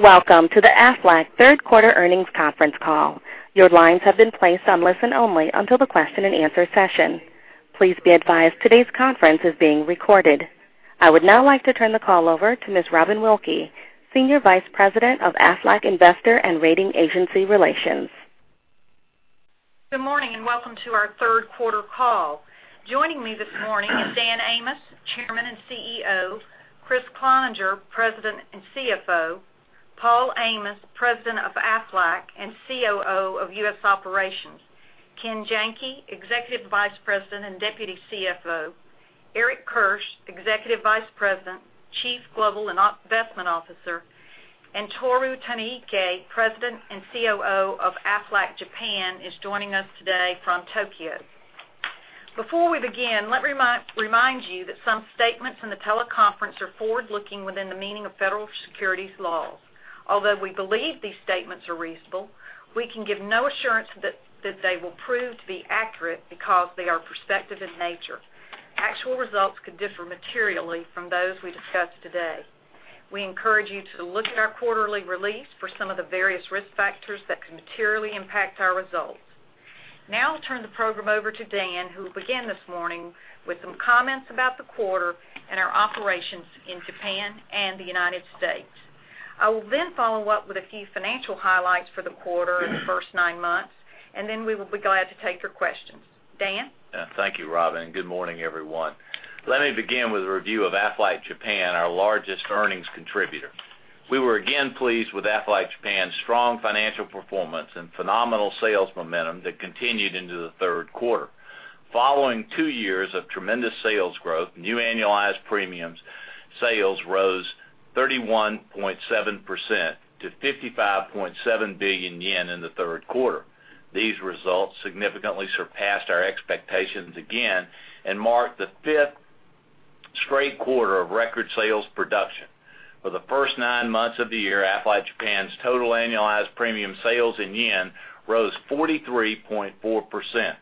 Welcome to the Aflac third quarter earnings conference call. Your lines have been placed on listen only until the question and answer session. Please be advised today's conference is being recorded. I would now like to turn the call over to Ms. Robin Wilkey, Senior Vice President of Aflac Investor and Rating Agency Relations. Good morning, welcome to our third quarter call. Joining me this morning is Dan Amos, Chairman and CEO, Kriss Cloninger, President and CFO, Paul Amos, President of Aflac and Chief Operating Officer, U.S. Operations, Ken Janke, Executive Vice President and Deputy Chief Financial Officer, Eric Kirsch, Executive Vice President and Global Chief Investment Officer, Tohru Tonoike, President and Chief Operating Officer of Aflac Japan, is joining us today from Tokyo. Before we begin, let me remind you that some statements in the teleconference are forward-looking within the meaning of federal securities laws. Although we believe these statements are reasonable, we can give no assurance that they will prove to be accurate because they are prospective in nature. Actual results could differ materially from those we discuss today. We encourage you to look at our quarterly release for some of the various risk factors that could materially impact our results. I'll turn the program over to Dan, who will begin this morning with some comments about the quarter and our operations in Japan and the U.S. I will then follow up with a few financial highlights for the quarter and the first nine months, we will be glad to take your questions. Dan? Thank you, Robin, good morning, everyone. Let me begin with a review of Aflac Japan, our largest earnings contributor. We were again pleased with Aflac Japan's strong financial performance and phenomenal sales momentum that continued into the third quarter. Following two years of tremendous sales growth, new annualized premiums sales rose 31.7% to 55.7 billion yen in the third quarter. These results significantly surpassed our expectations again and marked the fifth straight quarter of record sales production. For the first nine months of the year, Aflac Japan's total annualized premium sales in JPY rose 43.4%.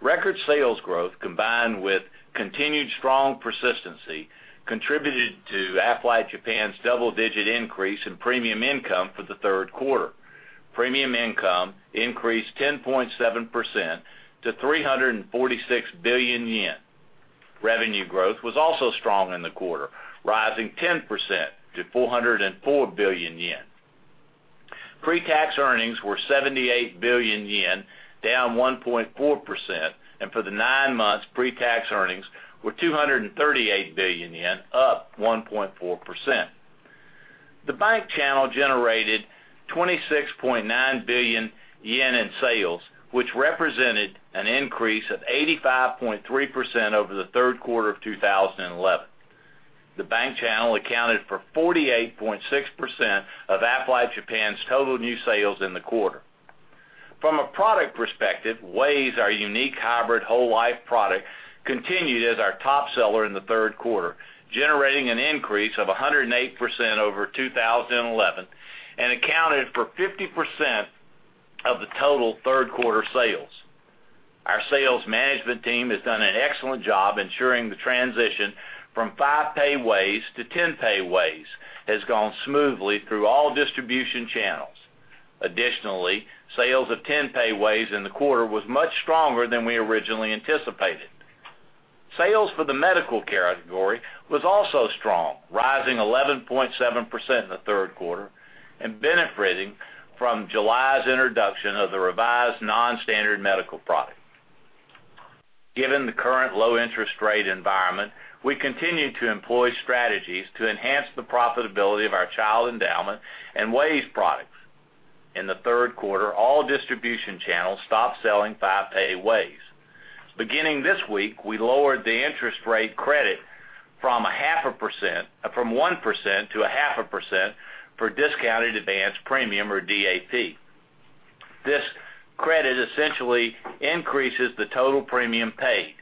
Record sales growth, combined with continued strong persistency, contributed to Aflac Japan's double-digit increase in premium income for the third quarter. Premium income increased 10.7% to 346 billion yen. Revenue growth was also strong in the quarter, rising 10% to 404 billion yen. Pre-tax earnings were 78 billion yen, down 1.4%, and for the nine months, pre-tax earnings were 238 billion yen, up 1.4%. The bank channel generated 26.9 billion yen in sales, which represented an increase of 85.3% over the third quarter of 2011. The bank channel accounted for 48.6% of Aflac Japan's total new sales in the quarter. From a product perspective, WAYS, our unique hybrid whole life product, continued as our top seller in the third quarter, generating an increase of 108% over 2011, and accounted for 50% of the total third-quarter sales. Our sales management team has done an excellent job ensuring the transition from five-pay WAYS to 10-pay WAYS has gone smoothly through all distribution channels. Sales of 10-pay WAYS in the quarter was much stronger than we originally anticipated. Sales for the medical care category was also strong, rising 11.7% in the third quarter and benefiting from July's introduction of the revised non-standard medical product. Given the current low interest rate environment, we continue to employ strategies to enhance the profitability of our child endowment and WAYS products. In the third quarter, all distribution channels stopped selling five-pay WAYS. Beginning this week, we lowered the interest rate credit from 1% to 0.5% for discounted advanced premium or DAP. This credit essentially increases the total premium paid.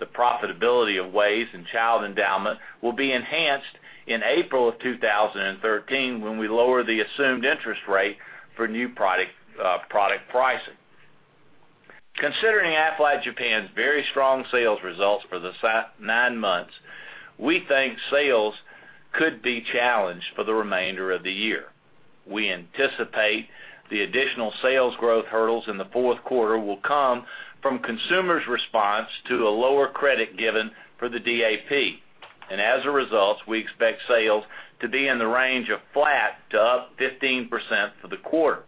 The profitability of WAYS and child endowment will be enhanced in April of 2013, when we lower the assumed interest rate for new product pricing. Considering Aflac Japan's very strong sales results for the nine months, we think sales could be challenged for the remainder of the year. We anticipate the additional sales growth hurdles in the fourth quarter will come from consumers' response to a lower credit given for the DAP. As a result, we expect sales to be in the range of flat to up 15% for the quarter.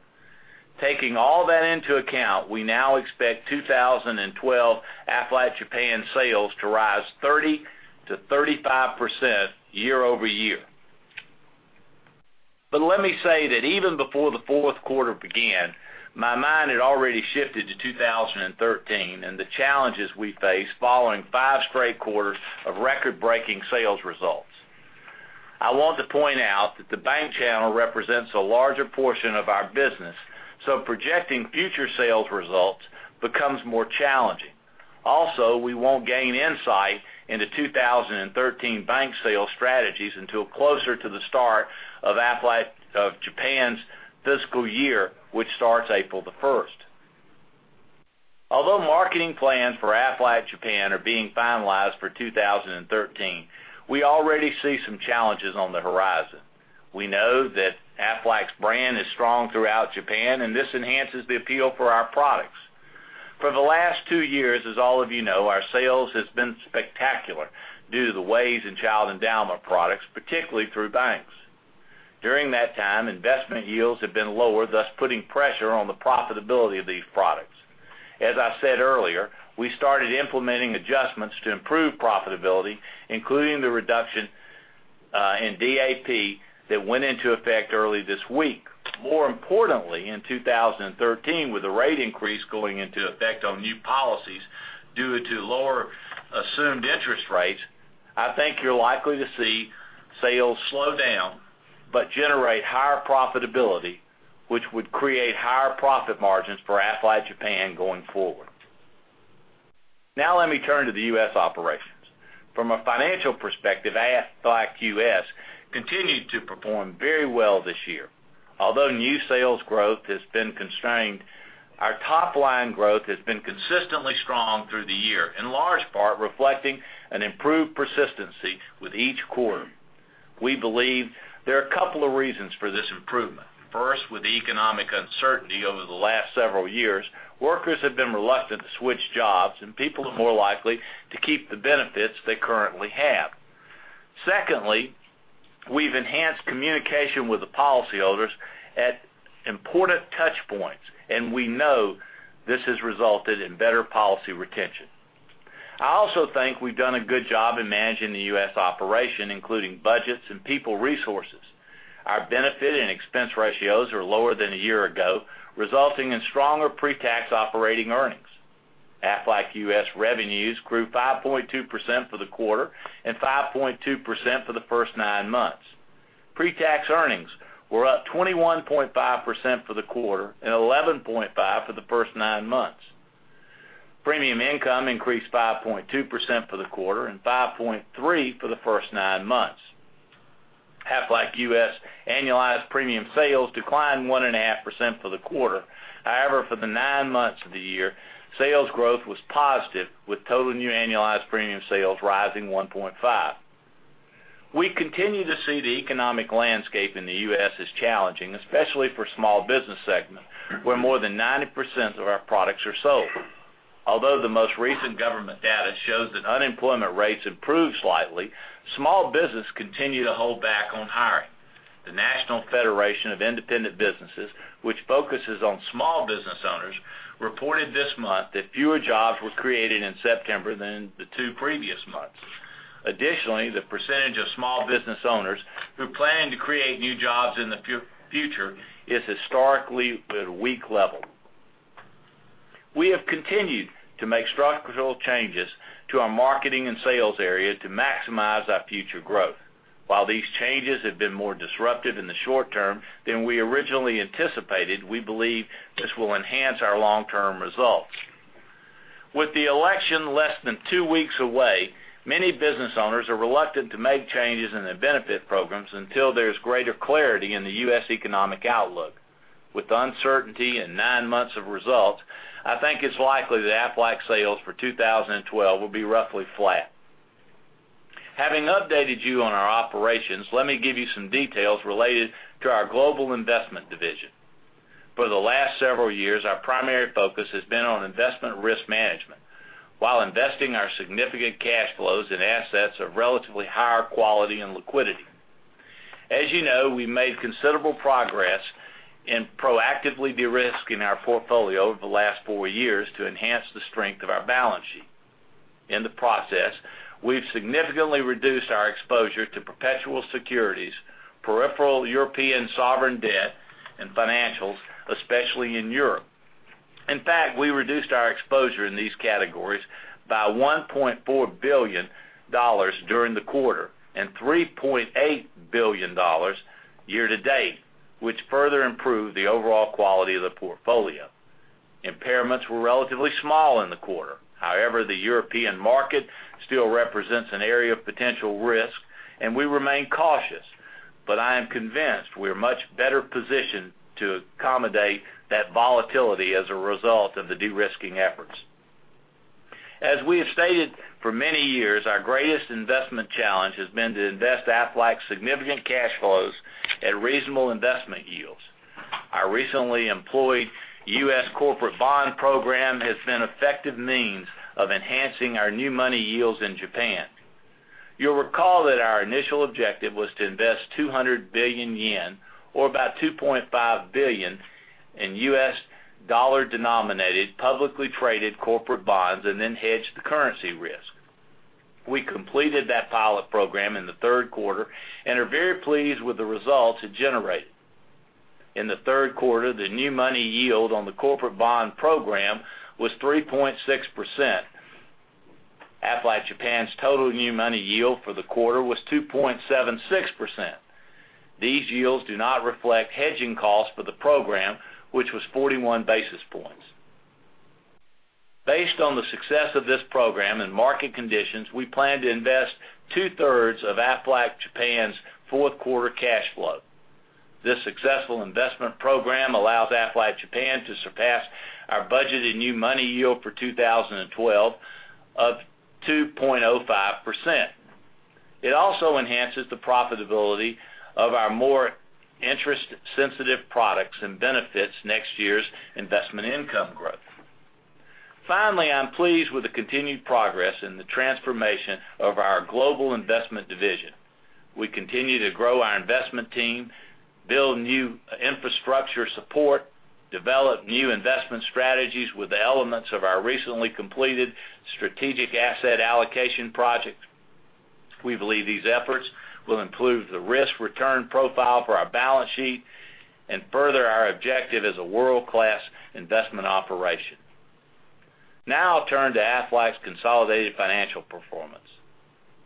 Taking all that into account, we now expect 2012 Aflac Japan sales to rise 30%-35% year-over-year. Let me say that even before the fourth quarter began, my mind had already shifted to 2013 and the challenges we face following five straight quarters of record-breaking sales results. I want to point out that the bank channel represents a larger portion of our business, so projecting future sales results becomes more challenging. We won't gain insight into 2013 bank sales strategies until closer to the start of Japan's fiscal year, which starts April 1st. Although marketing plans for Aflac Japan are being finalized for 2013, we already see some challenges on the horizon. We know that Aflac's brand is strong throughout Japan, and this enhances the appeal for our products. For the last two years, as all of you know, our sales has been spectacular due to the WAYS and child endowment products, particularly through banks. During that time, investment yields have been lower, thus putting pressure on the profitability of these products. As I said earlier, we started implementing adjustments to improve profitability, including the reduction in DAP that went into effect early this week. In 2013, with the rate increase going into effect on new policies due to lower assumed interest rates, I think you're likely to see sales slow down, but generate higher profitability, which would create higher profit margins for Aflac Japan going forward. Now let me turn to the U.S. operations. From a financial perspective, Aflac U.S. continued to perform very well this year. Although new sales growth has been constrained, our top-line growth has been consistently strong through the year, in large part reflecting an improved persistency with each quarter. We believe there are a couple of reasons for this improvement. First, with the economic uncertainty over the last several years, workers have been reluctant to switch jobs, and people are more likely to keep the benefits they currently have. Secondly, we've enhanced communication with the policyholders at important touchpoints, and we know this has resulted in better policy retention. I also think we've done a good job in managing the U.S. operation, including budgets and people resources. Our benefit and expense ratios are lower than a year ago, resulting in stronger pre-tax operating earnings. Aflac U.S. revenues grew 5.2% for the quarter and 5.2% for the first nine months. Pre-tax earnings were up 21.5% for the quarter and 11.5% for the first nine months. Premium income increased 5.2% for the quarter and 5.3% for the first nine months. Aflac U.S. annualized premium sales declined 1.5% for the quarter. For the nine months of the year, sales growth was positive, with total new annualized premium sales rising 1.5%. We continue to see the economic landscape in the U.S. as challenging, especially for small business segment, where more than 90% of our products are sold. Although the most recent government data shows that unemployment rates improved slightly, small business continue to hold back on hiring. The National Federation of Independent Business, which focuses on small business owners, reported this month that fewer jobs were created in September than the two previous months. The percentage of small business owners who are planning to create new jobs in the future is historically at a weak level. We have continued to make structural changes to our marketing and sales area to maximize our future growth. While these changes have been more disruptive in the short term than we originally anticipated, we believe this will enhance our long-term results. With the election less than two weeks away, many business owners are reluctant to make changes in their benefit programs until there's greater clarity in the U.S. economic outlook. With the uncertainty and nine months of results, I think it's likely that Aflac sales for 2012 will be roughly flat. Having updated you on our operations, let me give you some details related to our global investment division. For the last several years, our primary focus has been on investment risk management while investing our significant cash flows in assets of relatively higher quality and liquidity. As you know, we've made considerable progress in proactively de-risking our portfolio over the last four years to enhance the strength of our balance sheet. In the process, we've significantly reduced our exposure to perpetual securities, peripheral European sovereign debt, and financials, especially in Europe. In fact, we reduced our exposure in these categories by $1.4 billion during the quarter and $3.8 billion year to date, which further improved the overall quality of the portfolio. Impairments were relatively small in the quarter. The European market still represents an area of potential risk, and we remain cautious. I am convinced we're much better positioned to accommodate that volatility as a result of the de-risking efforts. As we have stated for many years, our greatest investment challenge has been to invest Aflac's significant cash flows at reasonable investment yields. Our recently employed U.S. corporate bond program has been effective means of enhancing our new money yields in Japan. You'll recall that our initial objective was to invest 200 billion yen or about $2.5 billion in U.S. dollar-denominated, publicly traded corporate bonds and then hedge the currency risk. We completed that pilot program in the third quarter and are very pleased with the results it generated. In the third quarter, the new money yield on the corporate bond program was 3.6%. Aflac Japan's total new money yield for the quarter was 2.76%. These yields do not reflect hedging costs for the program, which was 41 basis points. Based on the success of this program and market conditions, we plan to invest two-thirds of Aflac Japan's fourth quarter cash flow. This successful investment program allows Aflac Japan to surpass our budgeted new money yield for 2012 of 2.05%. It also enhances the profitability of our more interest-sensitive products and benefits next year's investment income growth. Finally, I'm pleased with the continued progress in the transformation of our global investment division. We continue to grow our investment team, build new infrastructure support, develop new investment strategies with the elements of our recently completed strategic asset allocation project. We believe these efforts will improve the risk-return profile for our balance sheet and further our objective as a world-class investment operation. Now I'll turn to Aflac's consolidated financial performance.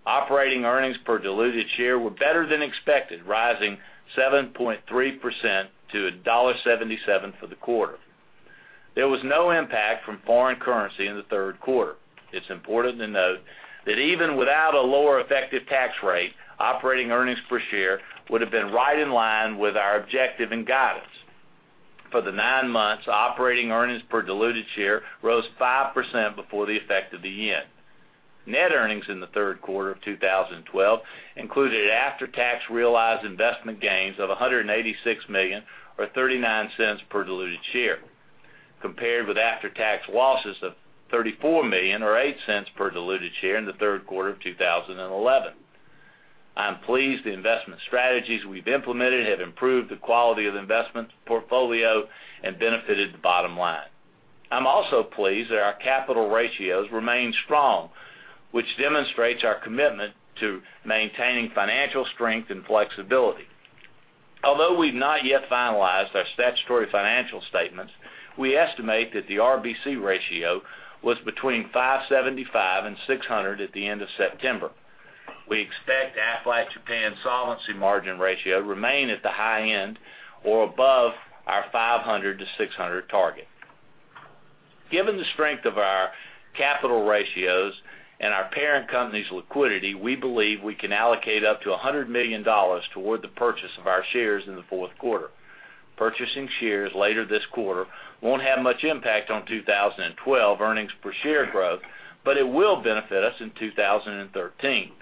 Operating earnings per diluted share were better than expected, rising 7.3% to $1.77 for the quarter. There was no impact from foreign currency in the third quarter. It's important to note that even without a lower effective tax rate, operating earnings per share would've been right in line with our objective and guidance. For the nine months, operating earnings per diluted share rose 5% before the effect of the Japanese yen. Net earnings in the third quarter of 2012 included after-tax realized investment gains of $186 million or $0.39 per diluted share, compared with after-tax losses of $34 million or $0.08 per diluted share in the third quarter of 2011. I'm pleased the investment strategies we've implemented have improved the quality of the investment portfolio and benefited the bottom line. I'm also pleased that our capital ratios remain strong, which demonstrates our commitment to maintaining financial strength and flexibility. Although we've not yet finalized our statutory financial statements, we estimate that the RBC ratio was between 575 and 600 at the end of September. We expect Aflac Japan's solvency margin ratio remain at the high end or above our 500 to 600 target. Given the strength of our capital ratios and our parent company's liquidity, we believe we can allocate up to $100 million toward the purchase of our shares in the fourth quarter. Purchasing shares later this quarter won't have much impact on 2012 earnings per share growth, but it will benefit us in 2013.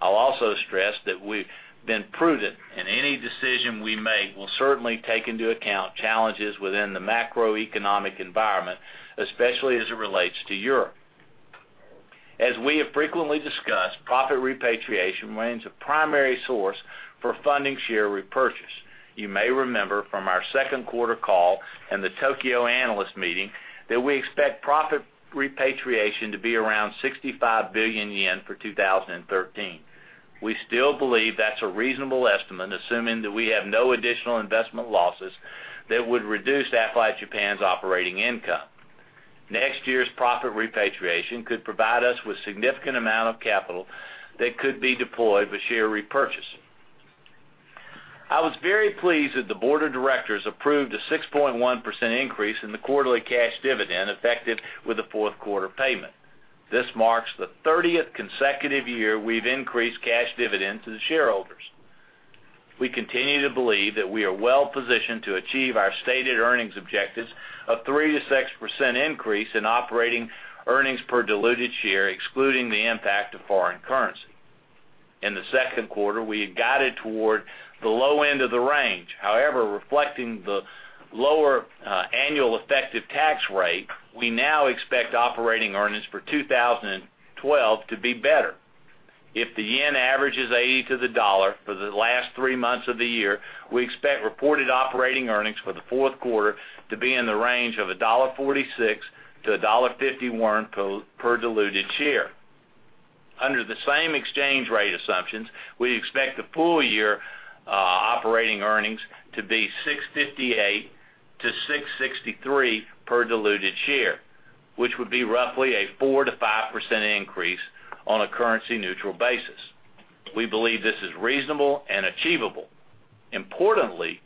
I'll also stress that we've been prudent, and any decision we make will certainly take into account challenges within the macroeconomic environment, especially as it relates to Europe. As we have frequently discussed, profit repatriation remains a primary source for funding share repurchase. You may remember from our second quarter call and the Tokyo analyst meeting that we expect profit repatriation to be around 65 billion yen for 2013. We still believe that's a reasonable estimate, assuming that we have no additional investment losses that would reduce Aflac Japan's operating income. Next year's profit repatriation could provide us with significant amount of capital that could be deployed for share repurchase. I was very pleased that the board of directors approved a 6.1% increase in the quarterly cash dividend effective with the fourth quarter payment. This marks the 30th consecutive year we've increased cash dividend to the shareholders. We continue to believe that we are well-positioned to achieve our stated earnings objectives of 3%-6% increase in operating earnings per diluted share, excluding the impact of foreign currency. In the second quarter, we had guided toward the low end of the range. Reflecting the lower annual effective tax rate, we now expect operating earnings for 2012 to be better. If the JPY averages 80 to the USD for the last three months of the year, we expect reported operating earnings for the fourth quarter to be in the range of $1.46-$1.51 per diluted share. Under the same exchange rate assumptions, we expect the full year operating earnings to be $6.58-$6.63 per diluted share, which would be roughly a 4%-5% increase on a currency-neutral basis. We believe this is reasonable and achievable. Importantly,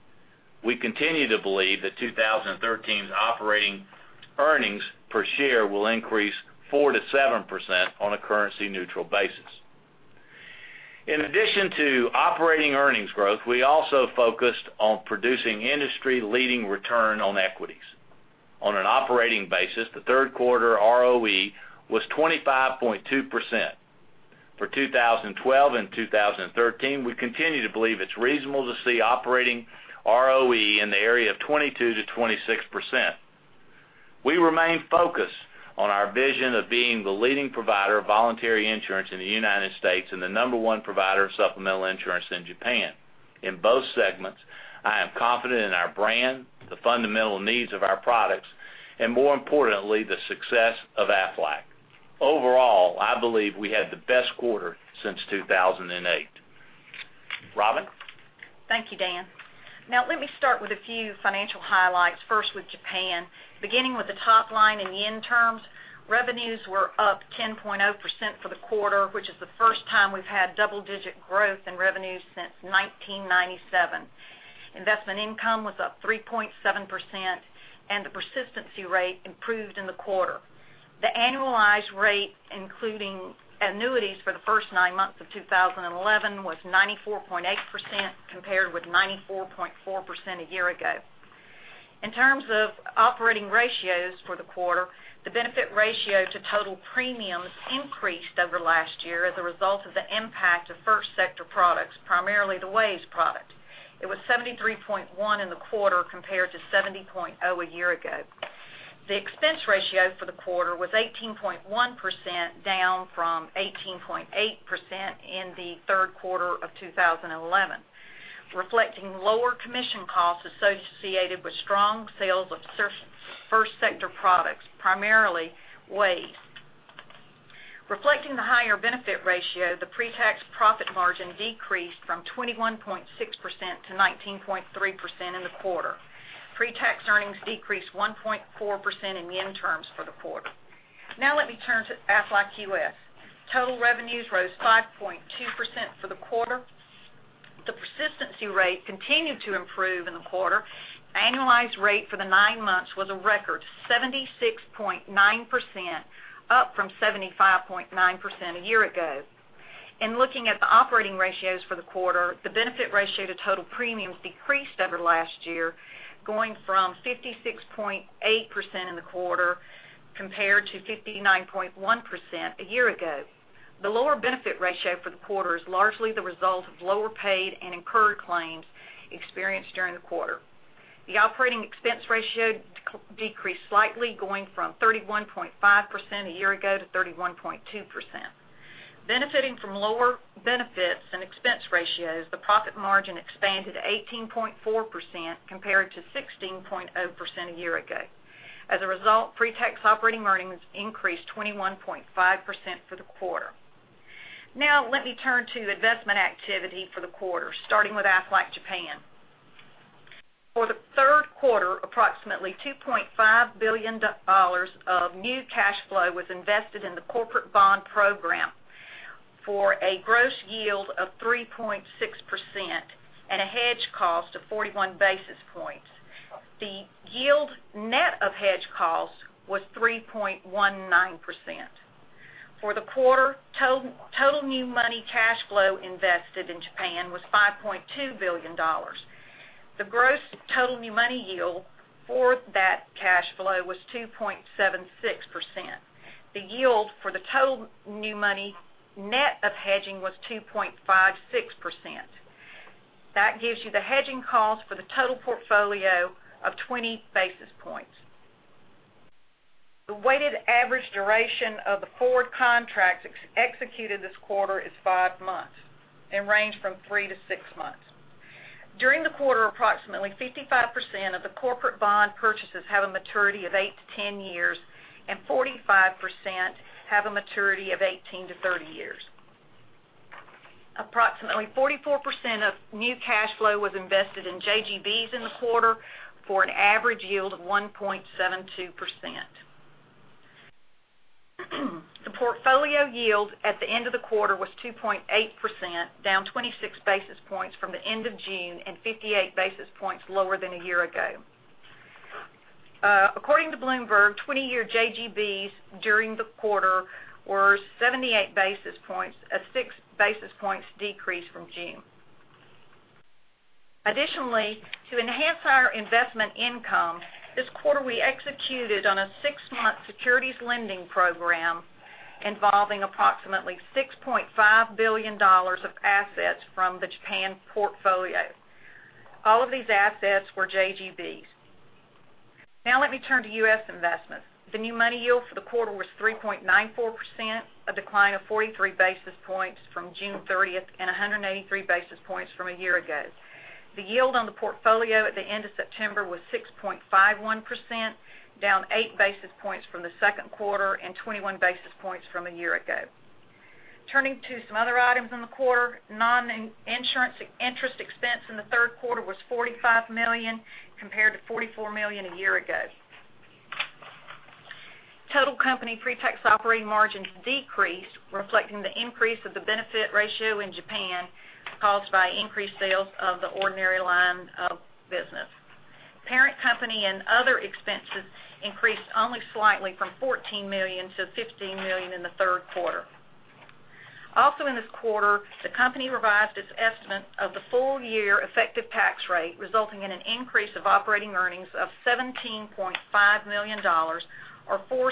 we continue to believe that 2013's operating earnings per share will increase 4%-7% on a currency-neutral basis. In addition to operating earnings growth, we also focused on producing industry-leading return on equities. On an operating basis, the third quarter ROE was 25.2%. For 2012 and 2013, we continue to believe it's reasonable to see operating ROE in the area of 22%-26%. We remain focused on our vision of being the leading provider of voluntary insurance in the U.S. and the number one provider of supplemental insurance in Japan. In both segments, I am confident in our brand, the fundamental needs of our products, and more importantly, the success of Aflac. Overall, I believe we had the best quarter since 2008. Robin? Thank you, Dan. Let me start with a few financial highlights, first with Japan. Beginning with the top line in JPY terms, revenues were up 10.0% for the quarter, which is the first time we've had double-digit growth in revenues since 1997. Investment income was up 3.7%, and the persistency rate improved in the quarter. The annualized rate, including annuities for the first nine months of 2011, was 94.8%, compared with 94.4% a year ago. In terms of operating ratios for the quarter, the benefit ratio to total premiums increased over last year as a result of the impact of first sector products, primarily the WAYS product. It was 73.1% in the quarter compared to 70.0% a year ago. The expense ratio for the quarter was 18.1%, down from 18.8% in the third quarter of 2011, reflecting lower commission costs associated with strong sales of first sector products, primarily WAYS. Reflecting the higher benefit ratio, the pre-tax profit margin decreased from 21.6% to 19.3% in the quarter. Pre-tax earnings decreased 1.4% in yen terms for the quarter. Let me turn to Aflac U.S. Total revenues rose 5.2% for the quarter. The persistency rate continued to improve in the quarter. Annualized rate for the nine months was a record 76.9%, up from 75.9% a year ago. In looking at the operating ratios for the quarter, the benefit ratio to total premiums decreased over last year, going from 56.8% in the quarter compared to 59.1% a year ago. The lower benefit ratio for the quarter is largely the result of lower paid and incurred claims experienced during the quarter. The operating expense ratio decreased slightly, going from 31.5% a year ago to 31.2%. Benefiting from lower benefits and expense ratios, the profit margin expanded to 18.4% compared to 16.0% a year ago. As a result, pre-tax operating earnings increased 21.5% for the quarter. Let me turn to investment activity for the quarter, starting with Aflac Japan. For the third quarter, approximately JPY 2.5 billion of new cash flow was invested in the corporate bond program for a gross yield of 3.6% and a hedge cost of 41 basis points. The yield net of hedge cost was 3.19%. For the quarter, total new money cash flow invested in Japan was JPY 5.2 billion. The gross total new money yield for that cash flow was 2.76%. The yield for the total new money net of hedging was 2.56%. That gives you the hedging cost for the total portfolio of 20 basis points. The weighted average duration of the forward contracts executed this quarter is five months and range from three to six months. During the quarter, approximately 55% of the corporate bond purchases have a maturity of eight to 10 years, and 45% have a maturity of 18 to 30 years. Approximately 44% of new cash flow was invested in JGBs in the quarter for an average yield of 1.72%. The portfolio yield at the end of the quarter was 2.8%, down 26 basis points from the end of June and 58 basis points lower than a year ago. According to Bloomberg, 20-year JGBs during the quarter were 78 basis points, a six basis points decrease from June. Additionally, to enhance our investment income this quarter, we executed on a six-month securities lending program involving approximately JPY 6.5 billion of assets from the Japan portfolio. All of these assets were JGBs. Let me turn to U.S. investments. The new money yield for the quarter was 3.94%, a decline of 43 basis points from June 30th and 183 basis points from a year ago. The yield on the portfolio at the end of September was 6.51%, down eight basis points from the second quarter and 21 basis points from a year ago. Turning to some other items in the quarter, non-insurance interest expense in the third quarter was $45 million, compared to $44 million a year ago. Total company pre-tax operating margins decreased, reflecting the increase of the benefit ratio in Japan caused by increased sales of the ordinary line of business. Parent company and other expenses increased only slightly from $14 million to $15 million in the third quarter. In this quarter, the company revised its estimate of the full year effective tax rate, resulting in an increase of operating earnings of $17.5 million, or $0.04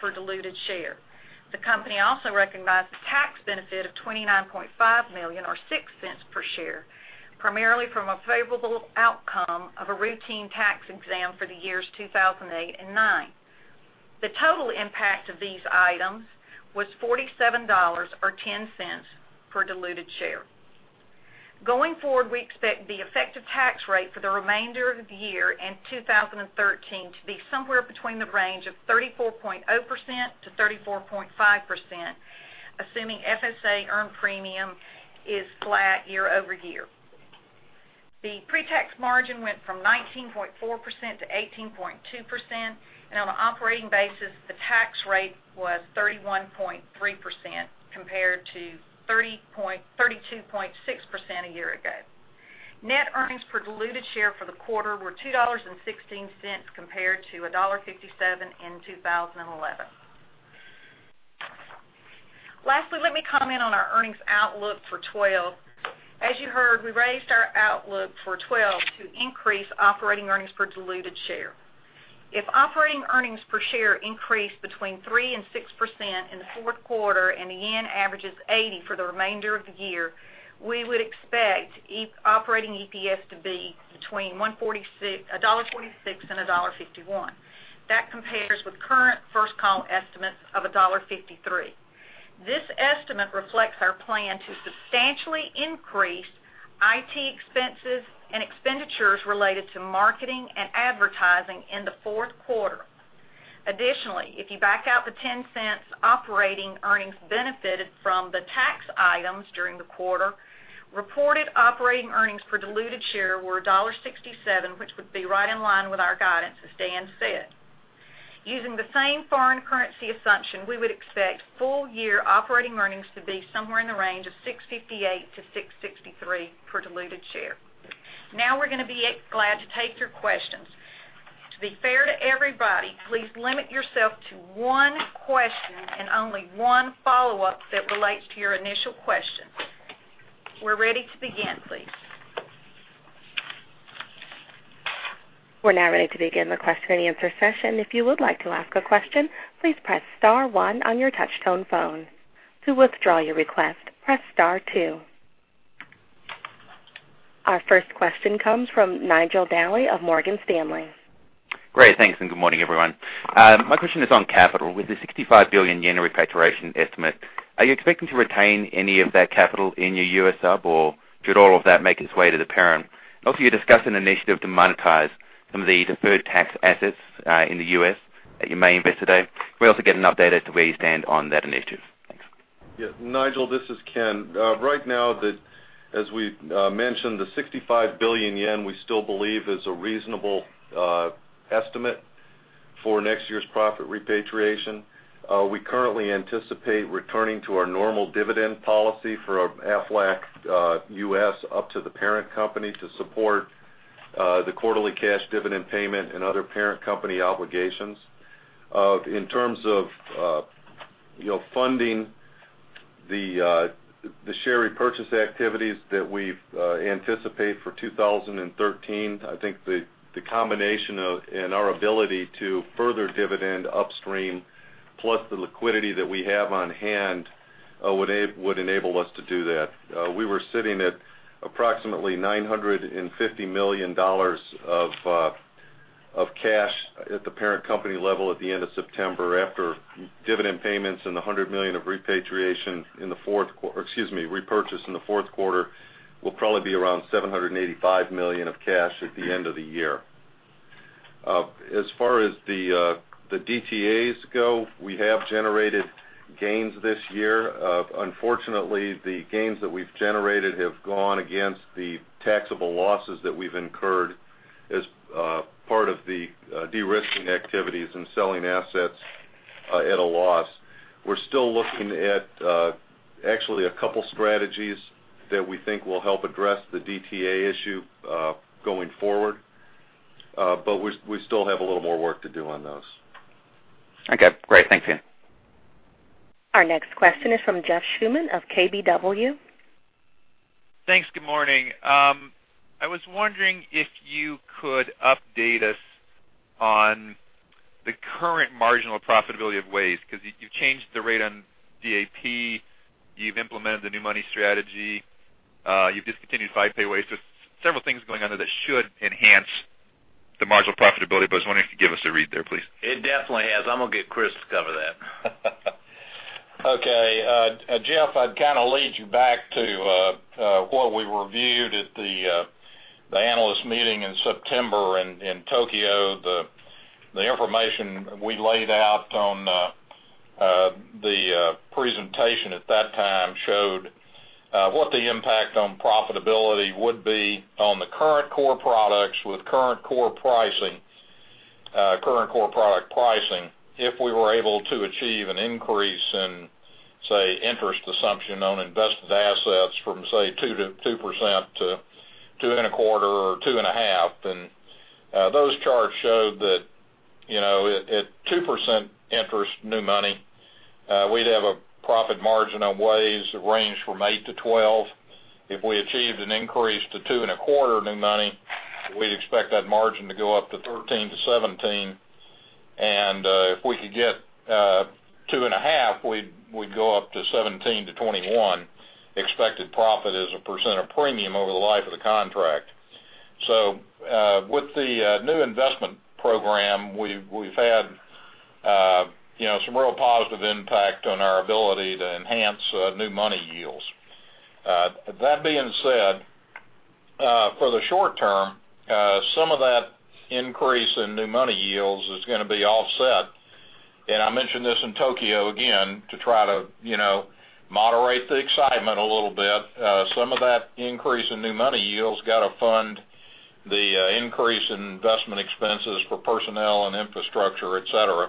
per diluted share. The company also recognized a tax benefit of $29.5 million or $0.06 per share, primarily from a favorable outcome of a routine tax exam for the years 2008 and 2009. The total impact of these items was $47 million or $0.10 per diluted share. Going forward, we expect the effective tax rate for the remainder of the year and 2013 to be somewhere between the range of 34.0%-34.5%, assuming FSA earned premium is flat year-over-year. The pre-tax margin went from 19.4% to 18.2%, and on an operating basis, the tax rate was 31.3% compared to 32.6% a year ago. Net earnings per diluted share for the quarter were $2.16 compared to $1.57 in 2011. Let me comment on our earnings outlook for 2012. As you heard, we raised our outlook for 2012 to increase operating earnings per diluted share. If operating earnings per share increase between 3% and 6% in the fourth quarter, and the JPY averages 80 for the remainder of the year, we would expect operating EPS to be between $1.46 and $1.51. That compares with current First Call estimates of $1.53. This estimate reflects our plan to substantially increase IT expenses and expenditures related to marketing and advertising in the fourth quarter. Additionally, if you back out the $0.10 operating earnings benefited from the tax items during the quarter, reported operating earnings per diluted share were $1.67, which would be right in line with our guidance, as Dan said. Using the same foreign currency assumption, we would expect full year operating earnings to be somewhere in the range of $6.58-$6.63 per diluted share. We're going to be glad to take your questions. To be fair to everybody, please limit yourself to one question and only one follow-up that relates to your initial question. We're ready to begin, please. We're ready to begin the question and answer session. If you would like to ask a question, please press *1 on your touch tone phone. To withdraw your request, press *2. Our first question comes from Nigel Dally of Morgan Stanley. Great. Thanks, and good morning, everyone. My question is on capital. With the 65 billion yen repatriation estimate, are you expecting to retain any of that capital in your U.S. sub, or should all of that make its way to the parent? Also, you discussed an initiative to monetize some of the Deferred Tax Assets in the U.S. that you may invest today. Can we also get an update as to where you stand on that initiative? Thanks. Yeah, Nigel, this is Ken. Right now, as we mentioned, the 65 billion yen we still believe is a reasonable estimate for next year's profit repatriation. We currently anticipate returning to our normal dividend policy for Aflac U.S. up to the parent company to support the quarterly cash dividend payment and other parent company obligations. In terms of funding the share repurchase activities that we've anticipate for 2013, I think the combination and our ability to further dividend upstream, plus the liquidity that we have on hand would enable us to do that. We were sitting at approximately $950 million of cash at the parent company level at the end of September. After dividend payments and the $100 million of repatriation in the fourth quarter, excuse me, repurchase in the fourth quarter, we'll probably be around $785 million of cash at the end of the year. As far as the DTAs go, we have generated gains this year. Unfortunately, the gains that we've generated have gone against the taxable losses that we've incurred as part of the de-risking activities and selling assets at a loss. We're still looking at actually a couple strategies that we think will help address the DTA issue going forward, but we still have a little more work to do on those. Okay, great. Thanks, Ken. Our next question is from Jeff Schuman of KBW. Thanks. Good morning. I was wondering if you could update us on the current marginal profitability of WAYS, you've changed the rate on DAP, you've implemented the new money strategy, you've discontinued five-pay WAYS. There's several things going on there that should enhance the marginal profitability, I was wondering if you give us a read there, please. It definitely has. I'm going to get Kriss to cover that. Okay. Jeff, I'd kind of lead you back to what we reviewed at the Analyst Meeting in September in Tokyo. The information we laid out on the presentation at that time showed what the impact on profitability would be on the current core products with current core product pricing, if we were able to achieve an increase in, say, interest assumption on invested assets from, say, 2% to 2.25% or 2.5%. Those charts showed that at 2% interest new money, we'd have a profit margin on WAYS that range from 8%-12%. If we achieved an increase to 2.25% new money, we'd expect that margin to go up to 13%-17%. If we could get 2.5%, we'd go up to 17%-21% expected profit as a percent of premium over the life of the contract. With the new investment program, we've had some real positive impact on our ability to enhance new money yields. That being said, for the short term, some of that increase in new money yields is going to be offset, and I mentioned this in Tokyo again to try to moderate the excitement a little bit. Some of that increase in new money yields got to fund the increase in investment expenses for personnel and infrastructure, et cetera,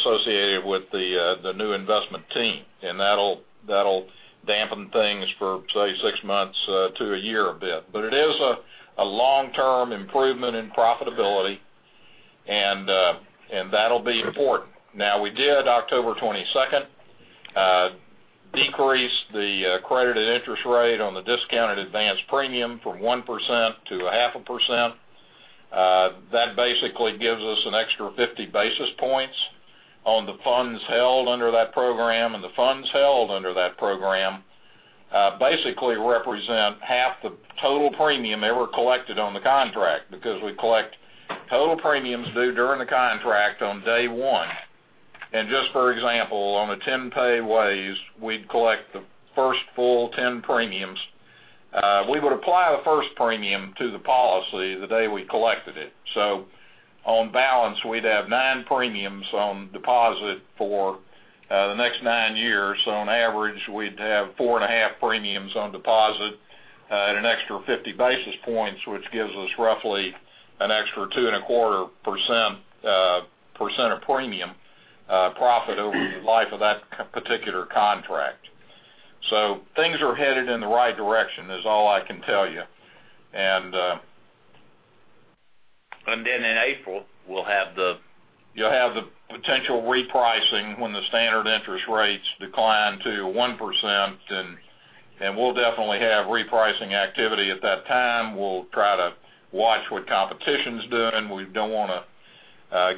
associated with the new investment team. That'll dampen things for, say, six months to a year a bit. It is a long-term improvement in profitability. That'll be important. Now, we did, October 22nd, decrease the credited interest rate on the discounted advanced premium from 1% to 0.5%. That basically gives us an extra 50 basis points on the funds held under that program. The funds held under that program basically represent half the total premium ever collected on the contract, because we collect total premiums due during the contract on day one. Just for example, on the 10 pay WAYS, we'd collect the first full 10 premiums. We would apply the first premium to the policy the day we collected it. On balance, we'd have nine premiums on deposit for the next nine years. On average, we'd have four and a half premiums on deposit at an extra 50 basis points, which gives us roughly an extra 2.25% of premium profit over the life of that particular contract. Things are headed in the right direction, is all I can tell you. In April, we'll have the- You'll have the potential repricing when the standard interest rates decline to 1%, and we'll definitely have repricing activity at that time. We'll try to watch what competition's doing. We don't want to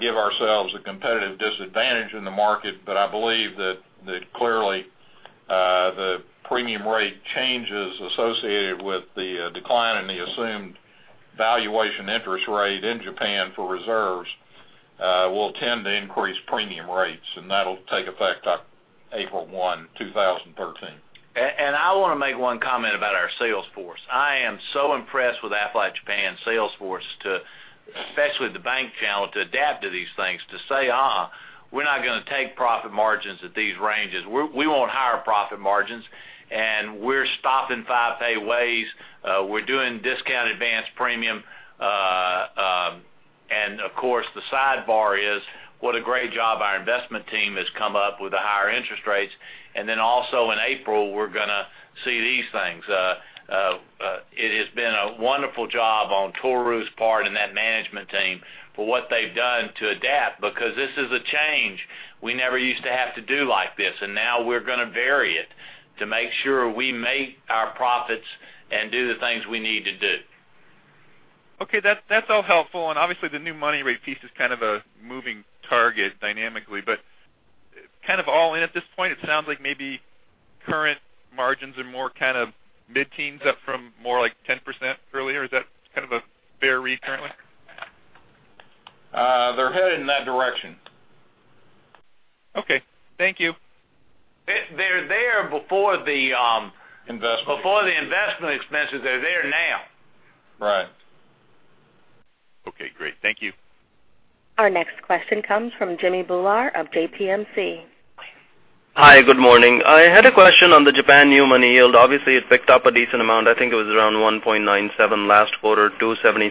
give ourselves a competitive disadvantage in the market. I believe that clearly, the premium rate changes associated with the decline in the assumed valuation interest rate in Japan for reserves will tend to increase premium rates, and that'll take effect April 1, 2013. I want to make one comment about our sales force. I am so impressed with Aflac Japan's sales force, especially the bank channel, to adapt to these things, to say, "Uh-uh, we're not going to take profit margins at these ranges. We want higher profit margins, and we're stopping five-pay WAYS. We're doing discount advanced premium." Of course, the sidebar is, what a great job our investment team has come up with the higher interest rates. Then also in April, we're going to see these things. It has been a wonderful job on Tohru's part and that management team for what they've done to adapt, because this is a change. We never used to have to do like this, and now we're going to vary it to make sure we make our profits and do the things we need to do. Okay. That's all helpful. Obviously, the new money rate piece is kind of a moving target dynamically, but kind of all in at this point, it sounds like maybe current margins are more kind of mid-teens up from more like 10% earlier. Is that kind of a fair read currently? They're headed in that direction. Okay. Thank you. They're there before. Investment before the investment expenses. They're there now. Right. Okay, great. Thank you. Our next question comes from Jimmy Bhullar of JPMC. Hi, good morning. I had a question on the Japan new money yield. Obviously, it picked up a decent amount. I think it was around 1.97% last quarter, 2.76%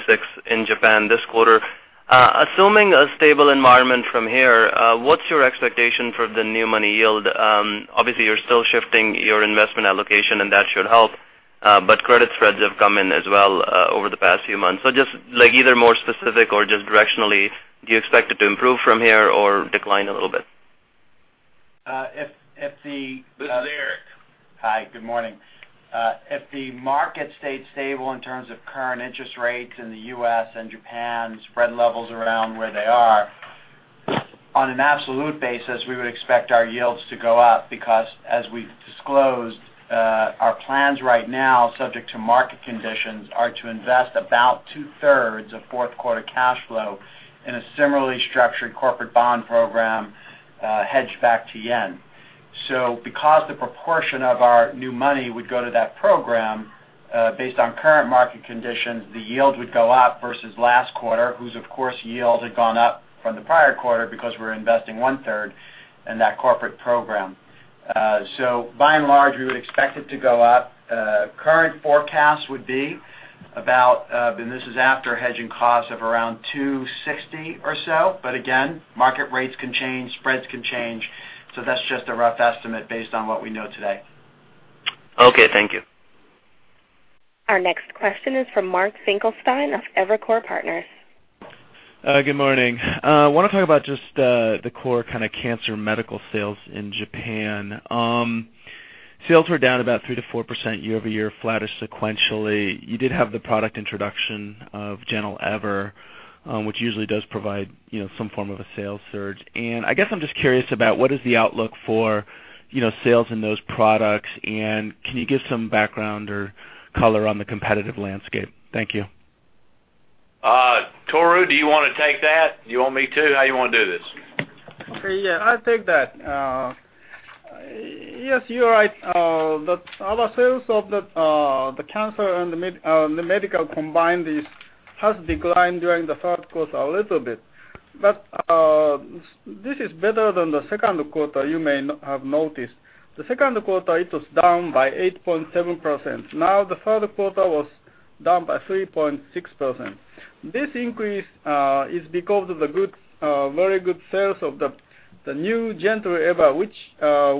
in Japan this quarter. Assuming a stable environment from here, what's your expectation for the new money yield? Obviously, you're still shifting your investment allocation, and that should help. Credit spreads have come in as well over the past few months. Just either more specific or just directionally, do you expect it to improve from here or decline a little bit? This is Eric. Hi, good morning. If the market stays stable in terms of current interest rates in the U.S. and Japan, spread levels around where they are, on an absolute basis, we would expect our yields to go up because as we've disclosed, our plans right now, subject to market conditions, are to invest about two-thirds of fourth quarter cash flow in a similarly structured corporate bond program hedged back to JPY. Because the proportion of our new money would go to that program, based on current market conditions, the yield would go up versus last quarter, whose, of course, yield had gone up from the prior quarter because we're investing one-third in that corporate program. By and large, we would expect it to go up. Current forecast would be about, and this is after hedging costs of around 2.60% or so. Again, market rates can change, spreads can change. That's just a rough estimate based on what we know today. Okay. Thank you. Our next question is from Mark Finkelstein of Evercore Partners. Good morning. I want to talk about just the core kind of cancer medical sales in Japan. Sales were down about 3% to 4% year-over-year, flattish sequentially. You did have the product introduction of Gentle EVER, which usually does provide some form of a sales surge. I guess I'm just curious about what is the outlook for sales in those products, and can you give some background or color on the competitive landscape? Thank you. Tohru, do you want to take that? Do you want me to? How you want to do this? Okay, yeah, I'll take that. Yes, you are right. Our sales of the cancer and the medical combined has declined during the third quarter a little bit. This is better than the second quarter, you may have noticed. The second quarter, it was down by 8.7%. The third quarter was down by 3.6%. This increase is because of the very good sales of the new Gentle EVER, which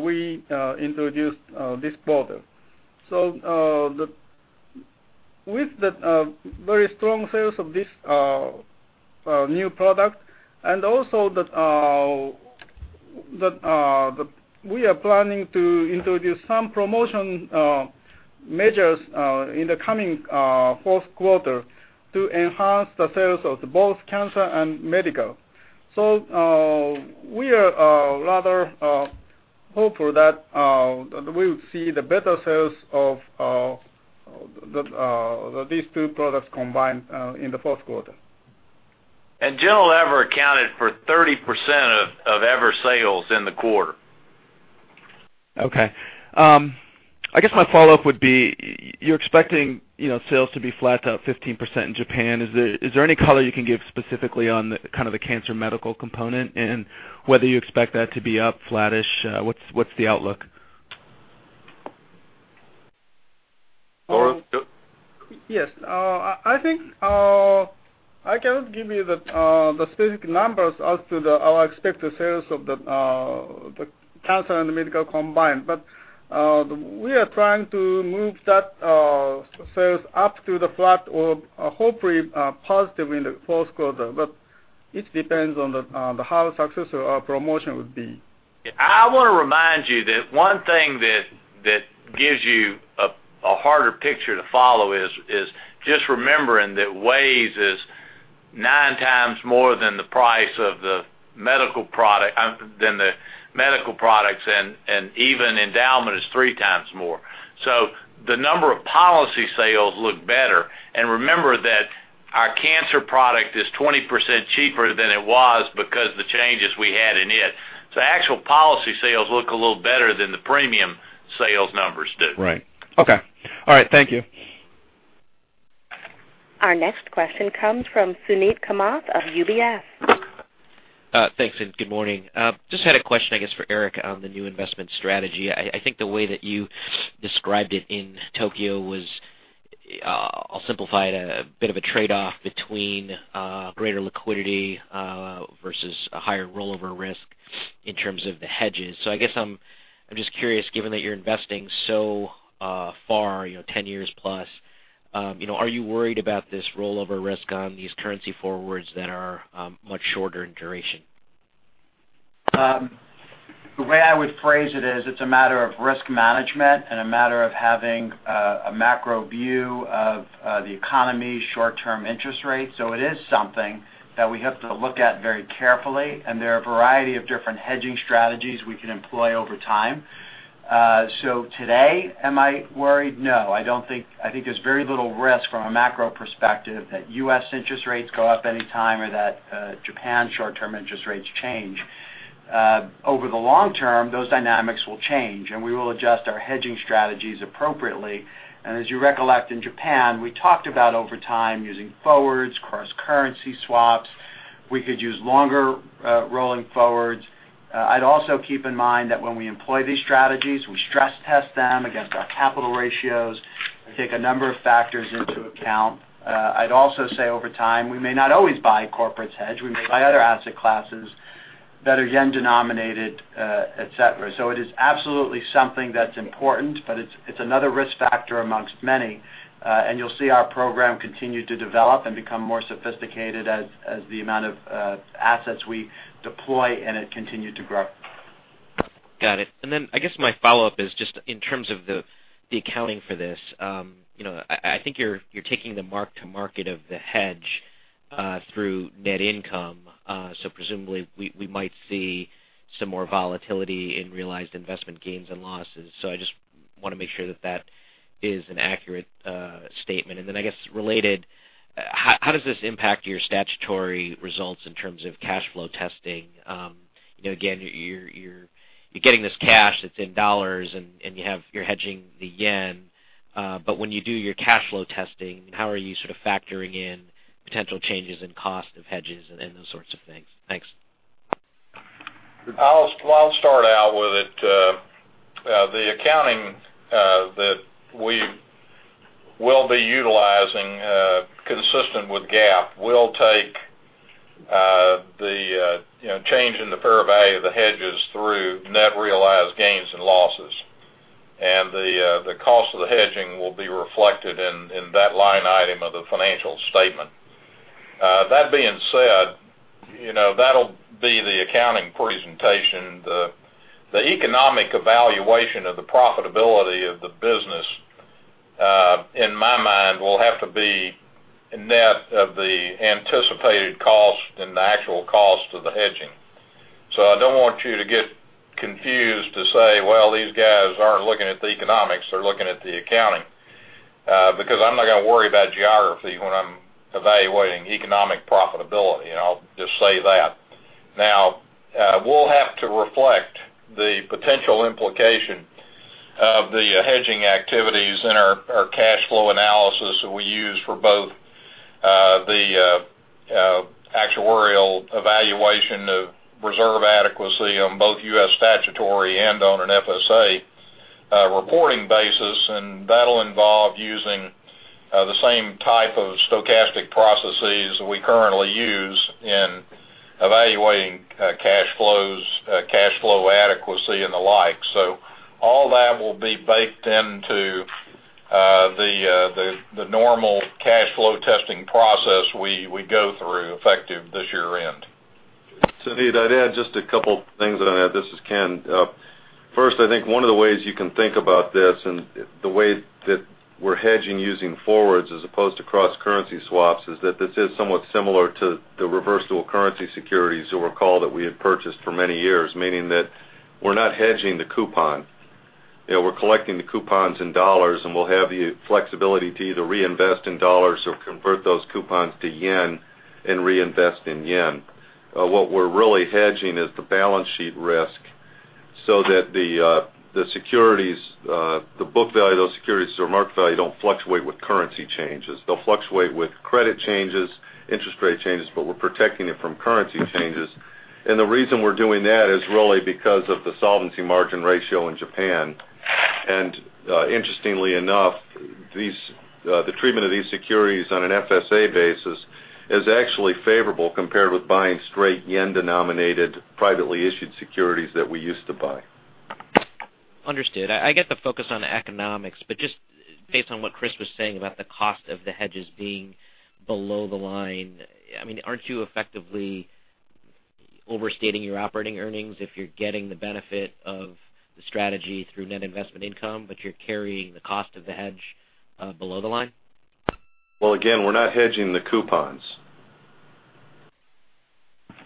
we introduced this quarter. With the very strong sales of this new product, and also that we are planning to introduce some promotion measures in the coming fourth quarter to enhance the sales of both cancer and medical. We are rather hopeful that we'll see the better sales of these two products combined in the fourth quarter. Gentle EVER accounted for 30% of EVER sales in the quarter. Okay. I guess my follow-up would be, you're expecting sales to be flat to up 15% in Japan. Is there any color you can give specifically on kind of the cancer medical component, and whether you expect that to be up, flattish? What's the outlook? Laurel? Yes. I think I cannot give you the specific numbers as to our expected sales of the cancer and the medical combined. We are trying to move that sales up to the flat or hopefully positive in the fourth quarter. It depends on how successful our promotion would be. I want to remind you that one thing that gives you a harder picture to follow is just remembering that WAYS is nine times more than the price of the medical products, and even endowment is three times more. The number of policy sales look better. Remember that our cancer product is 20% cheaper than it was because the changes we had in it. Actual policy sales look a little better than the premium sales numbers do. Right. Okay. All right, thank you. Our next question comes from Suneet Kamath of UBS. Thanks, good morning. Just had a question, I guess, for Eric on the new investment strategy. I think the way that you described it in Tokyo was, I'll simplify it, a bit of a trade-off between greater liquidity versus a higher rollover risk in terms of the hedges. I guess I'm just curious, given that you're investing so far, 10 years plus, are you worried about this rollover risk on these currency forwards that are much shorter in duration? The way I would phrase it is, it's a matter of risk management and a matter of having a macro view of the economy, short-term interest rates. It is something that we have to look at very carefully, and there are a variety of different hedging strategies we can employ over time. Today, am I worried? No, I think there's very little risk from a macro perspective that U.S. interest rates go up anytime or that Japan short-term interest rates change. Over the long term, those dynamics will change, and we will adjust our hedging strategies appropriately. As you recollect, in Japan, we talked about over time using forwards, cross-currency swaps. We could use longer rolling forwards. I'd also keep in mind that when we employ these strategies, we stress test them against our capital ratios. We take a number of factors into account. I'd also say over time, we may not always buy corporates hedge. We may buy other asset classes that are JPY-denominated, et cetera. It is absolutely something that's important, but it's another risk factor amongst many. You'll see our program continue to develop and become more sophisticated as the amount of assets we deploy in it continue to grow. Got it. I guess my follow-up is just in terms of the accounting for this. I think you're taking the mark-to-market of the hedge through net income. Presumably, we might see some more volatility in realized investment gains and losses. I just want to make sure that that is an accurate statement. I guess related, how does this impact your statutory results in terms of cash flow testing? Again, you're getting this cash that's in USD, and you're hedging the JPY. When you do your cash flow testing, how are you sort of factoring in potential changes in cost of hedges and those sorts of things? Thanks. I'll start out with it. The accounting that we will be utilizing, consistent with GAAP, will take the change in the fair value of the hedges through net realized gains and losses. The cost of the hedging will be reflected in that line item of the financial statement. That being said, that'll be the accounting presentation. The economic evaluation of the profitability of the business, in my mind, will have to be net of the anticipated cost and the actual cost of the hedging. I don't want you to get confused to say, "Well, these guys aren't looking at the economics. They're looking at the accounting." I'm not going to worry about geography when I'm evaluating economic profitability. I'll just say that. We'll have to reflect the potential implication of the hedging activities in our cash flow analysis that we use for both the actuarial evaluation of reserve adequacy on both U.S. statutory and on an FSA reporting basis. That'll involve using the same type of stochastic processes we currently use in evaluating cash flow adequacy and the like. All that will be baked into the normal cash flow testing process we go through effective this year-end. Suneet, I'd add just a couple things on that. This is Ken. First, I think one of the ways you can think about this, and the way that we're hedging using forwards as opposed to cross-currency swaps, is that this is somewhat similar to the reverse currency securities you'll recall that we had purchased for many years. Meaning that we're not hedging the coupon. We're collecting the coupons in USD, and we'll have the flexibility to either reinvest in USD or convert those coupons to JPY and reinvest in JPY. What we're really hedging is the balance sheet risk so that the book value of those securities or market value don't fluctuate with currency changes. They'll fluctuate with credit changes, interest rate changes, but we're protecting it from currency changes. The reason we're doing that is really because of the solvency margin ratio in Japan. Interestingly enough, the treatment of these securities on an FSA basis is actually favorable compared with buying straight JPY-denominated privately issued securities that we used to buy. Understood. I get the focus on the economics, just based on what Kriss was saying about the cost of the hedges being below the line. Aren't you effectively overstating your operating earnings if you're getting the benefit of the strategy through net investment income, but you're carrying the cost of the hedge below the line? Well, again, we're not hedging the coupons.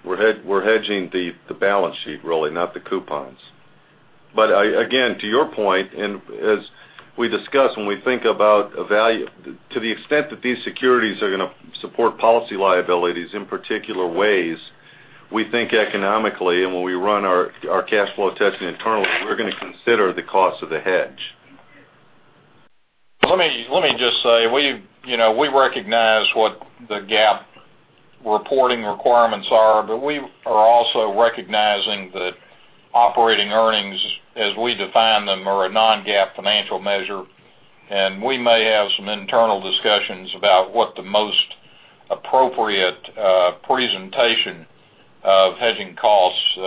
We're hedging the balance sheet really, not the coupons. Again, to your point, and as we discussed, when we think about a value, to the extent that these securities are going to support policy liabilities in particular ways, we think economically, and when we run our cash flow testing internally, we're going to consider the cost of the hedge. Let me just say, we recognize what the GAAP reporting requirements are, but we are also recognizing that operating earnings, as we define them, are a non-GAAP financial measure. We may have some internal discussions about what the most appropriate presentation of hedging costs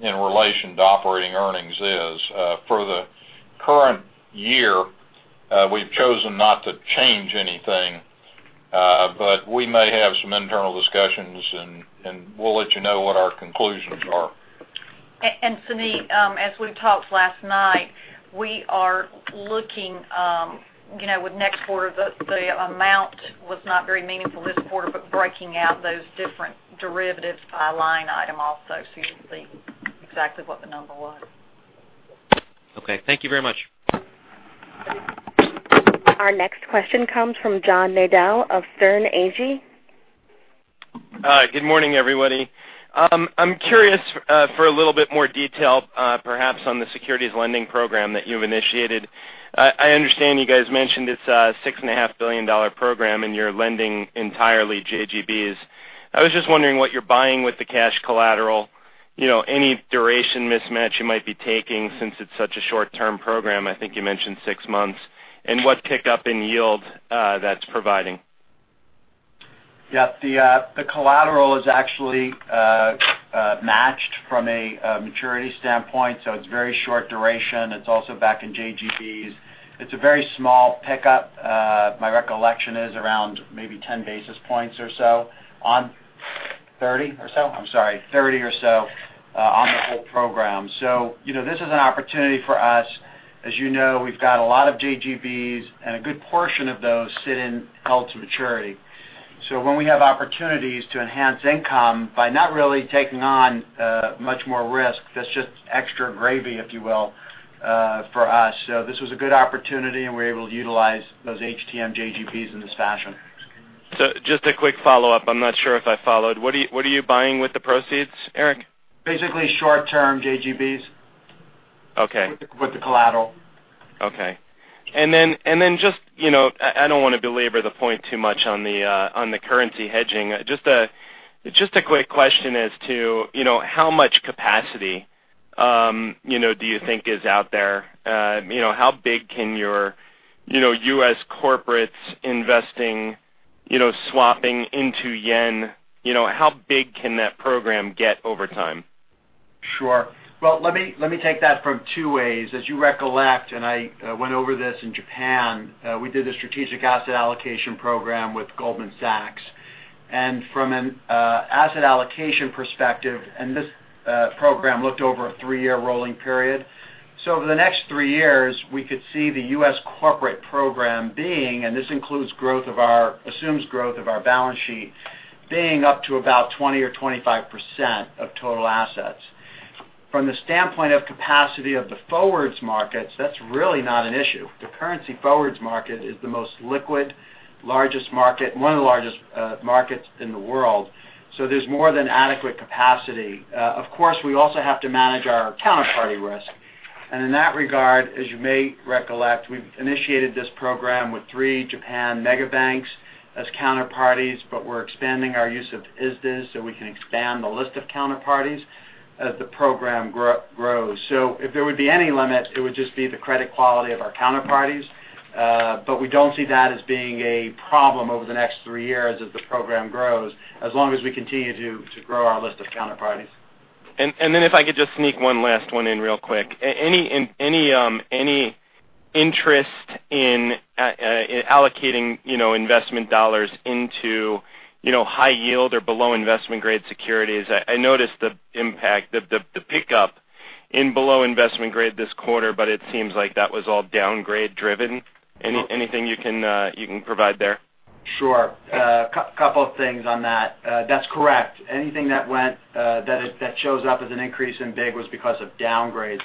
in relation to operating earnings is. For the current year, we've chosen not to change anything. We may have some internal discussions, and we'll let you know what our conclusions are. Suneet, as we talked last night, we are looking with next quarter. The amount was not very meaningful this quarter, but breaking out those different derivatives by line item also so you can see exactly what the number was. Okay. Thank you very much. Our next question comes from John Nadel of Sterne, Agee. Hi, good morning, everybody. I'm curious for a little bit more detail perhaps on the securities lending program that you've initiated. I understand you guys mentioned it's a JPY 6.5 billion program, and you're lending entirely JGBs. I was just wondering what you're buying with the cash collateral. Any duration mismatch you might be taking since it's such a short-term program, I think you mentioned six months. What pickup in yield that's providing. Yeah. The collateral is actually matched from a maturity standpoint, so it's very short duration. It's also backed in JGBs. It's a very small pickup. My recollection is around maybe 10 basis points or so on. 30 or so, I'm sorry. 30 or so on the whole program. This is an opportunity for us. As you know, we've got a lot of JGBs, and a good portion of those sit in held-to-maturity. When we have opportunities to enhance income by not really taking on much more risk, that's just extra gravy, if you will, for us. This was a good opportunity, and we're able to utilize those HTM JGBs in this fashion. Just a quick follow-up. I'm not sure if I followed. What are you buying with the proceeds, Eric? Basically short-term JGBs. Okay. With the collateral. Okay. Just, I don't want to belabor the point too much on the currency hedging. Just a quick question as to how much capacity do you think is out there? How big can your U.S. corporates investing, swapping into yen, how big can that program get over time? Sure. Well, let me take that from two ways. As you recollect, and I went over this in Japan, we did a strategic asset allocation program with Goldman Sachs. From an asset allocation perspective, and this program looked over a three-year rolling period. Over the next three years, we could see the U.S. corporate program being, and this assumes growth of our balance sheet, being up to about 20% or 25% of total assets. From the standpoint of capacity of the forwards markets, that's really not an issue. The currency forwards market is the most liquid, one of the largest markets in the world. There's more than adequate capacity. Of course, we also have to manage our counterparty risk. In that regard, as you may recollect, we've initiated this program with three Japan mega banks as counterparties, but we're expanding our use of ISDA so we can expand the list of counterparties as the program grows. If there would be any limit, it would just be the credit quality of our counterparties. We don't see that as being a problem over the next three years as the program grows, as long as we continue to grow our list of counterparties. If I could just sneak one last one in real quick. Any interest in allocating investment dollars into high yield or below investment-grade securities. I noticed the impact, the pickup in below investment grade this quarter, it seems like that was all downgrade driven. Anything you can provide there? Sure. A couple of things on that. That's correct. Anything that shows up as an increase in BIG was because of downgrades.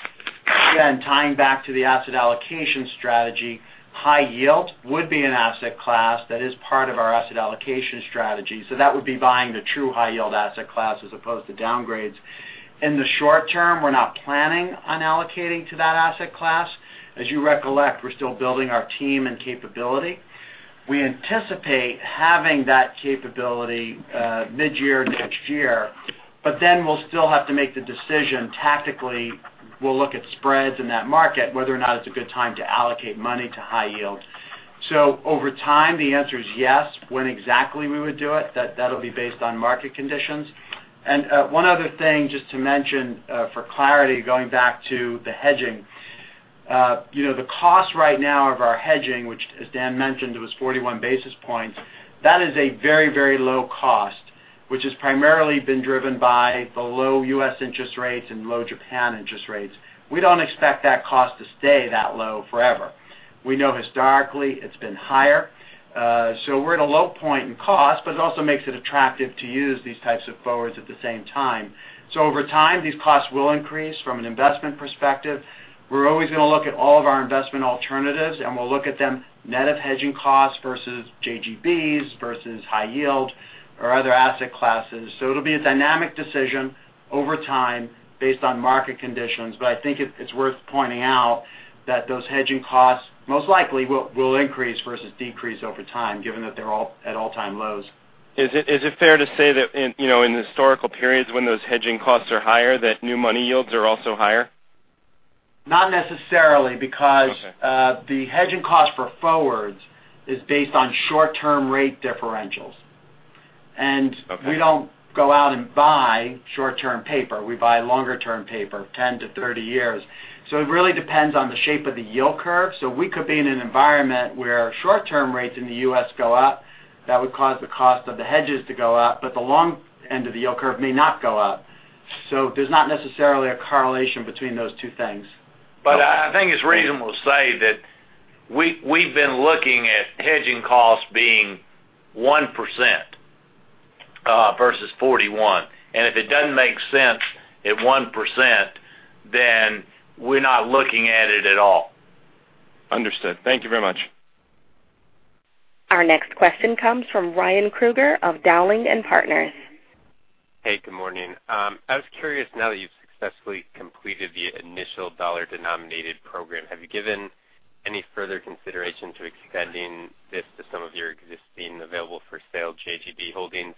Again, tying back to the asset allocation strategy, high yield would be an asset class that is part of our asset allocation strategy. That would be buying the true high yield asset class as opposed to downgrades. In the short term, we're not planning on allocating to that asset class. As you recollect, we're still building our team and capability. We anticipate having that capability mid-year next year, we'll still have to make the decision tactically. We'll look at spreads in that market, whether or not it's a good time to allocate money to high yield. Over time, the answer is yes. When exactly we would do it, that'll be based on market conditions. One other thing, just to mention for clarity, going back to the hedging. The cost right now of our hedging, which as Dan mentioned, was 41 basis points. That is a very low cost, which has primarily been driven by the low U.S. interest rates and low Japan interest rates. We don't expect that cost to stay that low forever. We know historically it's been higher. We're at a low point in cost, but it also makes it attractive to use these types of forwards at the same time. Over time, these costs will increase from an investment perspective. We're always going to look at all of our investment alternatives, and we'll look at them net of hedging costs versus JGBs versus high yield or other asset classes. It'll be a dynamic decision over time based on market conditions. I think it's worth pointing out that those hedging costs most likely will increase versus decrease over time, given that they're at all-time lows. Is it fair to say that in the historical periods when those hedging costs are higher, that new money yields are also higher? Not necessarily. Okay The hedging cost for forwards is based on short-term rate differentials. Okay. We don't go out and buy short-term paper. We buy longer-term paper, 10 to 30 years. It really depends on the shape of the yield curve. We could be in an environment where short-term rates in the U.S. go up. That would cause the cost of the hedges to go up, but the long end of the yield curve may not go up. There's not necessarily a correlation between those two things. I think it's reasonable to say that we've been looking at hedging costs being 1% versus 41. If it doesn't make sense at 1%, we're not looking at it at all. Understood. Thank you very much. Our next question comes from Ryan Krueger of Dowling & Partners. Hey, good morning. I was curious, now that you've successfully completed the initial dollar-denominated program, have you given any further consideration to extending this to some of your existing available for sale JGB holdings?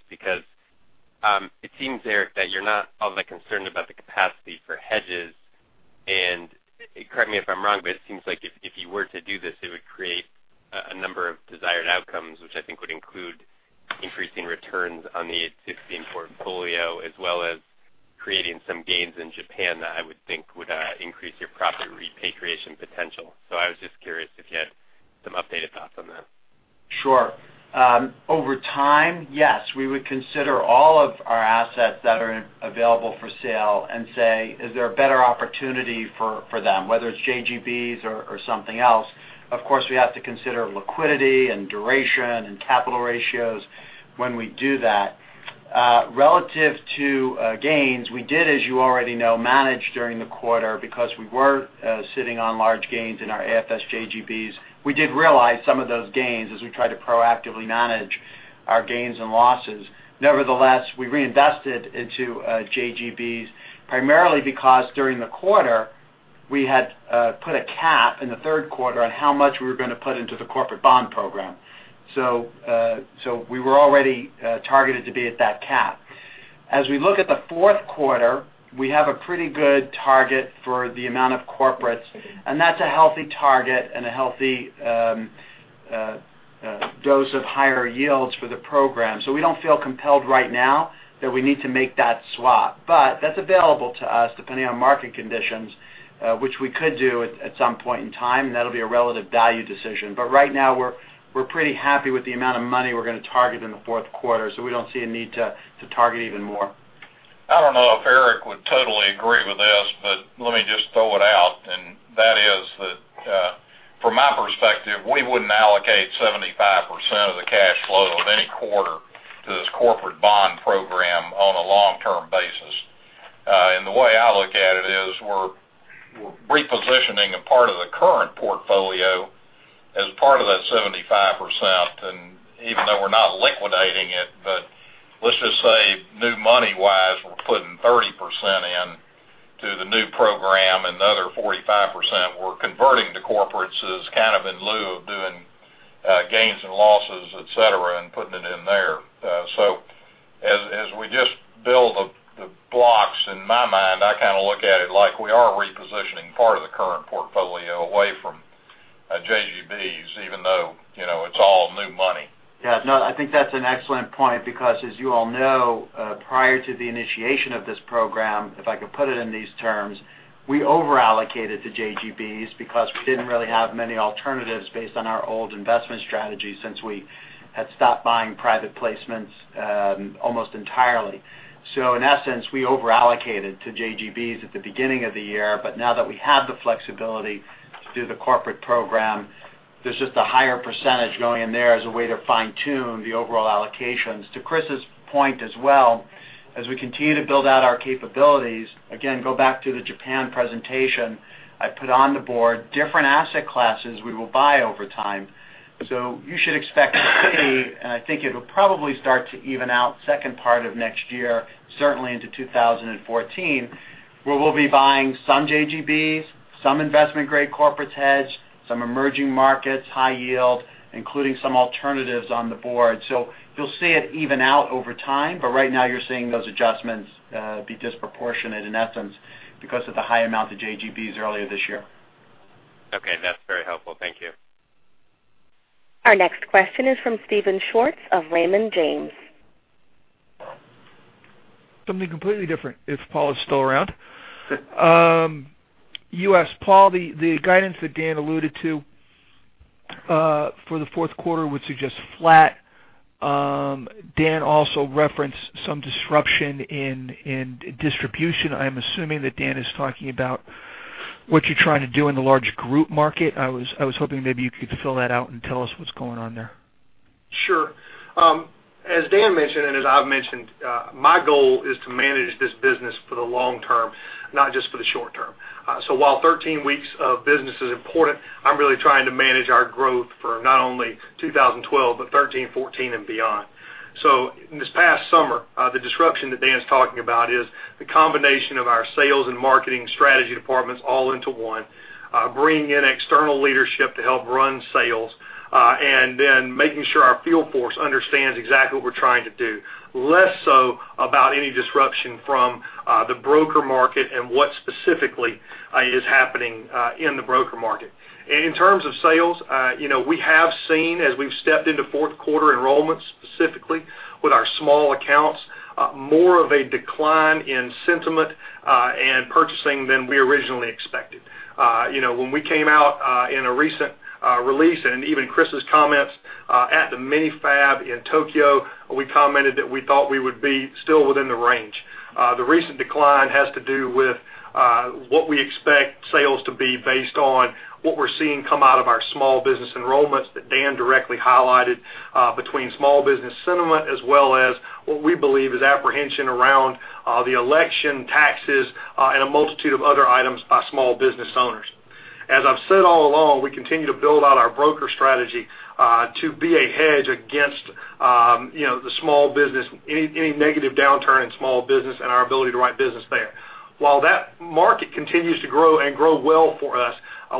Correct me if I'm wrong, but it seems like if you were to do this, it would create a number of desired outcomes, which I think would include increasing returns on the existing portfolio, as well as creating some gains in Japan that I would think would increase your profit repatriation potential. I was just curious if you had some updated thoughts on that. Sure. Over time, yes, we would consider all of our assets that are available for sale and say, is there a better opportunity for them, whether it's JGBs or something else. Of course, we have to consider liquidity and duration and capital ratios when we do that. Relative to gains, we did, as you already know, manage during the quarter because we were sitting on large gains in our AFS JGBs. We did realize some of those gains as we tried to proactively manage our gains and losses. Nevertheless, we reinvested into JGBs, primarily because during the quarter we had put a cap in the third quarter on how much we were going to put into the corporate bond program. We were already targeted to be at that cap. As we look at the fourth quarter, we have a pretty good target for the amount of corporates, that's a healthy target and a healthy dose of higher yields for the program. We don't feel compelled right now that we need to make that swap. That's available to us depending on market conditions, which we could do at some point in time. That'll be a relative value decision. Right now we're pretty happy with the amount of money we're going to target in the fourth quarter. We don't see a need to target even more. I don't know if Eric would totally agree with this, but let me just throw it out. That is that from my perspective, we wouldn't allocate 75% of the cash flow of any quarter to this corporate bond program on a long-term basis. The way I look at it is we're repositioning a part of the current portfolio as part of that 75%. Even though we're not liquidating it, but let's just say new money wise, we're putting 30% in to the new program, another 45% we're converting to corporates is kind of in lieu of doing gains and losses, et cetera, and putting it in there. As we just build the blocks, in my mind, I kind of look at it like we are repositioning part of the current portfolio away from JGBs, even though it's all new money. Yeah. No, I think that's an excellent point because as you all know, prior to the initiation of this program, if I could put it in these terms, we over-allocated to JGBs because we didn't really have many alternatives based on our old investment strategy since we had stopped buying private placements almost entirely. In essence, we over-allocated to JGBs at the beginning of the year. Now that we have the flexibility to do the corporate program, there's just a higher percentage going in there as a way to fine-tune the overall allocations. To Kriss's point as well, as we continue to build out our capabilities, again, go back to the Japan presentation, I put on the board different asset classes we will buy over time. You should expect to see, and I think it'll probably start to even out second part of next year, certainly into 2014, where we'll be buying some JGBs, some investment-grade corporate hedge, some emerging markets, high yield, including some alternatives on the board. You'll see it even out over time, but right now you're seeing those adjustments be disproportionate, in essence, because of the high amount of JGBs earlier this year. Okay, that's very helpful. Thank you. Our next question is from Steven Schwartz of Raymond James. Something completely different, if Paul is still around. You asked Paul the guidance that Dan alluded to for the fourth quarter, which suggests flat. Dan also referenced some disruption in distribution. I'm assuming that Dan is talking about what you're trying to do in the large group market. I was hoping maybe you could fill that out and tell us what's going on there. Sure. As Dan mentioned, as I've mentioned, my goal is to manage this business for the long term, not just for the short term. While 13 weeks of business is important, I'm really trying to manage our growth for not only 2012, but 2013, 2014, and beyond. In this past summer, the disruption that Dan's talking about is the combination of our sales and marketing strategy departments all into one, bringing in external leadership to help run sales, and then making sure our field force understands exactly what we're trying to do. Less so about any disruption from the broker market and what specifically is happening in the broker market. In terms of sales, we have seen, as we've stepped into fourth quarter enrollments, specifically with our small accounts, more of a decline in sentiment and purchasing than we originally expected. When we came out in a recent release, and even Kriss's comments at the FAB in Tokyo, we commented that we thought we would be still within the range. The recent decline has to do with what we expect sales to be based on what we're seeing come out of our small business enrollments that Dan directly highlighted, between small business sentiment as well as what we believe is apprehension around the election taxes and a multitude of other items by small business owners. As I've said all along, we continue to build out our broker strategy to be a hedge against any negative downturn in small business and our ability to write business there. While that market continues to grow and grow well for us,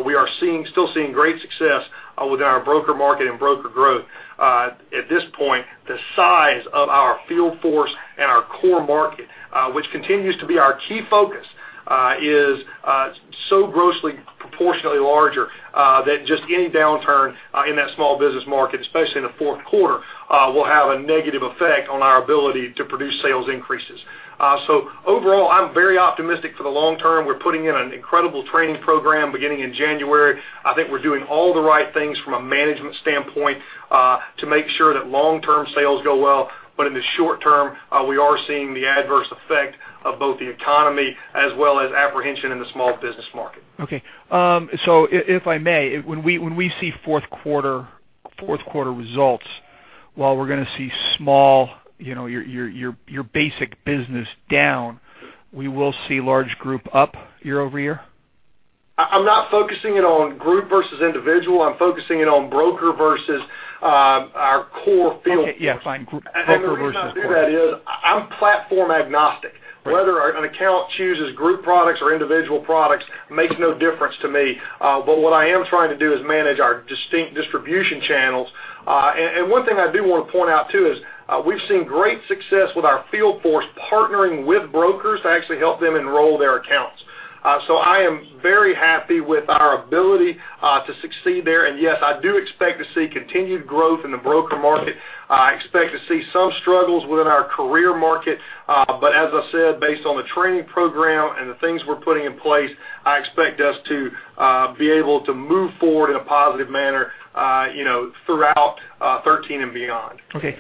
we are still seeing great success within our broker market and broker growth. At this point, the size of our field force and our core market, which continues to be our key focus, is so grossly proportionally larger that just any downturn in that small business market, especially in the fourth quarter, will have a negative effect on our ability to produce sales increases. Overall, I'm very optimistic for the long term. We're putting in an incredible training program beginning in January. I think we're doing all the right things from a management standpoint to make sure that long-term sales go well. In the short term, we are seeing the adverse effect of both the economy as well as apprehension in the small business market. Okay. If I may, when we see fourth quarter results, while we're going to see your basic business down, we will see large group up year-over-year? I'm not focusing it on group versus individual. I'm focusing it on broker versus our core field force. Okay, yeah. Fine. Broker versus core. The reason I do that is I'm platform agnostic. Whether an account chooses group products or individual products makes no difference to me. What I am trying to do is manage our distinct distribution channels. One thing I do want to point out, too, is we've seen great success with our field force partnering with brokers to actually help them enroll their accounts. I am very happy with our ability to succeed there. Yes, I do expect to see continued growth in the broker market. I expect to see some struggles within our career market. As I said, based on the training program and the things we're putting in place, I expect us to be able to move forward in a positive manner throughout 2013 and beyond. Okay.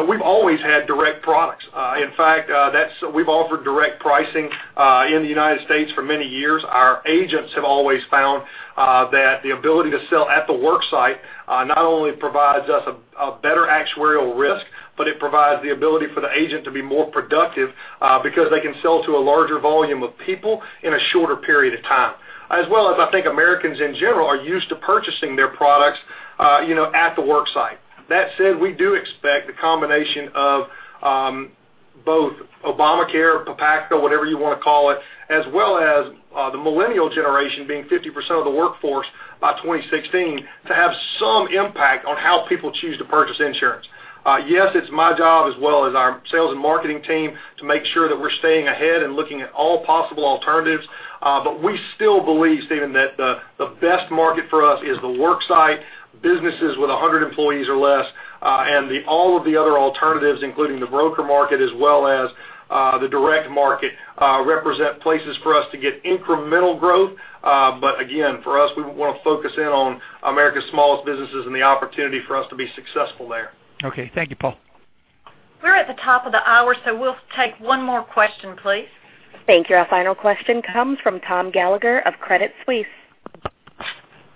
I think Americans in general are used to purchasing their products at the work site. That said, we do expect the combination of both Obamacare, PPACA, whatever you want to call it, as well as the millennial generation being 50% of the workforce by 2016 to have some impact on how people choose to purchase insurance. Yes, it's my job as well as our sales and marketing team to make sure that we're staying ahead and looking at all possible alternatives. We still believe, Steven, that the best market for us is the work site, businesses with 100 employees or less, and all of the other alternatives, including the broker market as well as the direct market, represent places for us to get incremental growth. Again, for us, we want to focus in on America's smallest businesses and the opportunity for us to be successful there. Okay. Thank you, Paul. We're at the top of the hour. We'll take one more question, please. Thank you. Our final question comes from Tom Gallagher of Credit Suisse.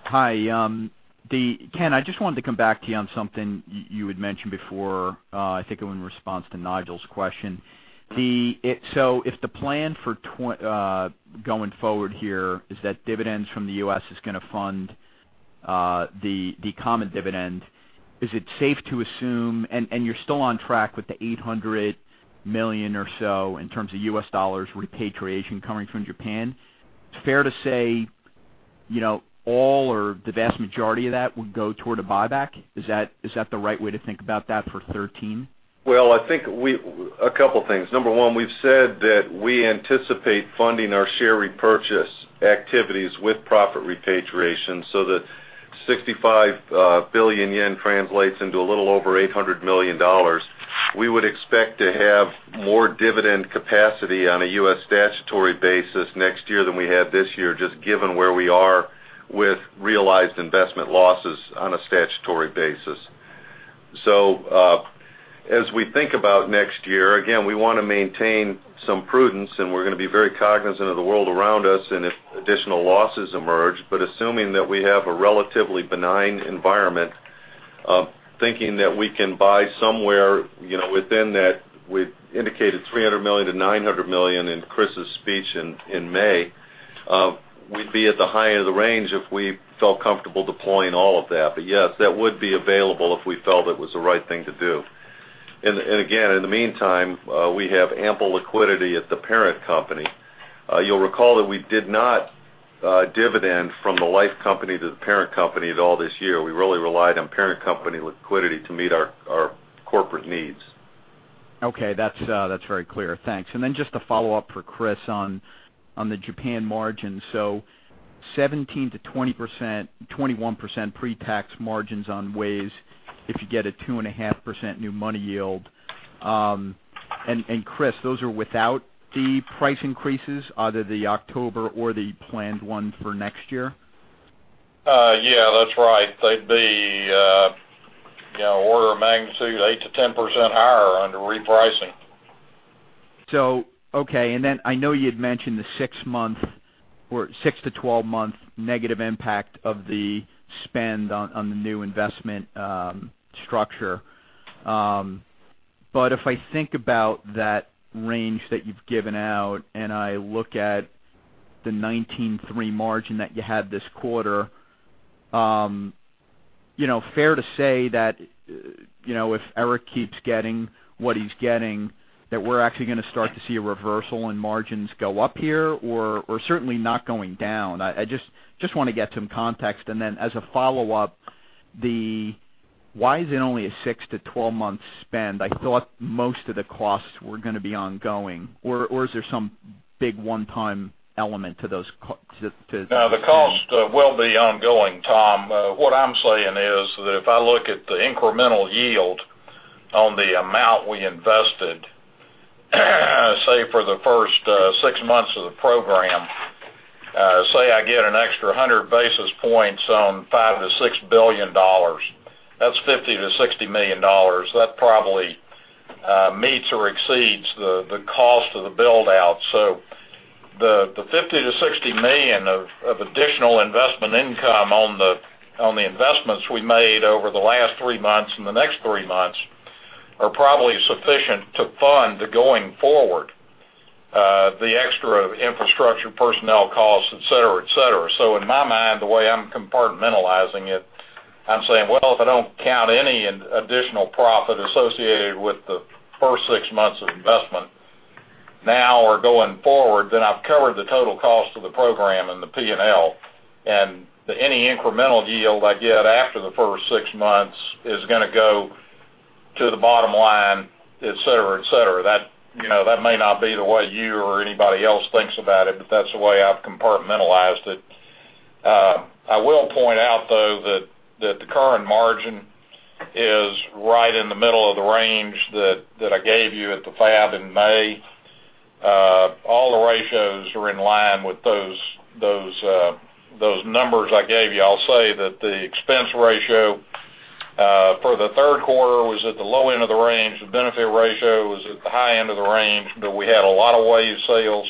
Hi. Ken, I just wanted to come back to you on something you had mentioned before, I think in response to Nigel's question. If the plan going forward here is that dividends from the U.S. is going to fund the common dividend, and you're still on track with the $800 million or so in terms of U.S. dollars repatriation coming from Japan, is it fair to say all or the vast majority of that would go toward a buyback? Is that the right way to think about that for 2013? Well, a couple things. Number one, we've said that we anticipate funding our share repurchase activities with profit repatriation. The 65 billion yen translates into a little over $800 million. We would expect to have more dividend capacity on a U.S. statutory basis next year than we had this year, just given where we are with realized investment losses on a statutory basis. As we think about next year, again, we want to maintain some prudence, and we're going to be very cognizant of the world around us and if additional losses emerge. Assuming that we have a relatively benign environment, thinking that we can buy somewhere within that, we indicated $300 million-$900 million in Kriss's speech in May. We'd be at the high end of the range if we felt comfortable deploying all of that. Yes, that would be available if we felt it was the right thing to do. Again, in the meantime, we have ample liquidity at the parent company. You'll recall that we did not dividend from the life company to the parent company at all this year. We really relied on parent company liquidity to meet our corporate needs. Okay. That's very clear. Thanks. Then just a follow-up for Kriss on the Japan margins. 17%-21% pre-tax margins on WAYS if you get a 2.5% new money yield. Kriss, those are without the price increases, either the October or the planned one for next year? Yeah, that's right. They'd be order of magnitude 8%-10% higher under repricing. Okay. Then I know you'd mentioned the 6-12 month negative impact of the spend on the new investment structure. If I think about that range that you've given out, and I look at the 19.3 margin that you had this quarter, fair to say that if Eric keeps getting what he's getting, that we're actually going to start to see a reversal in margins go up here, or certainly not going down? I just want to get some context. Then as a follow-up, why is it only a 6-12 month spend? I thought most of the costs were going to be ongoing. Or is there some big one-time element? No, the cost will be ongoing, Tom. What I'm saying is that if I look at the incremental yield on the amount we invested, say, for the first six months of the program Say I get an extra 100 basis points on JPY 5 billion-JPY 6 billion. That's JPY 50 million-JPY 60 million. That probably meets or exceeds the cost of the build-out. The 50 million-60 million of additional investment income on the investments we made over the last three months and the next three months are probably sufficient to fund the going forward, the extra infrastructure, personnel costs, et cetera. In my mind, the way I'm compartmentalizing it, I'm saying, well, if I don't count any additional profit associated with the first six months of investment now or going forward, then I've covered the total cost of the program and the P&L. Any incremental yield I get after the first six months is going to go to the bottom line, et cetera. That may not be the way you or anybody else thinks about it, but that's the way I've compartmentalized it. I will point out, though, that the current margin is right in the middle of the range that I gave you at the FAB in May. All the ratios are in line with those numbers I gave you. I'll say that the expense ratio for the third quarter was at the low end of the range. The benefit ratio was at the high end of the range, but we had a lot of WAYS sales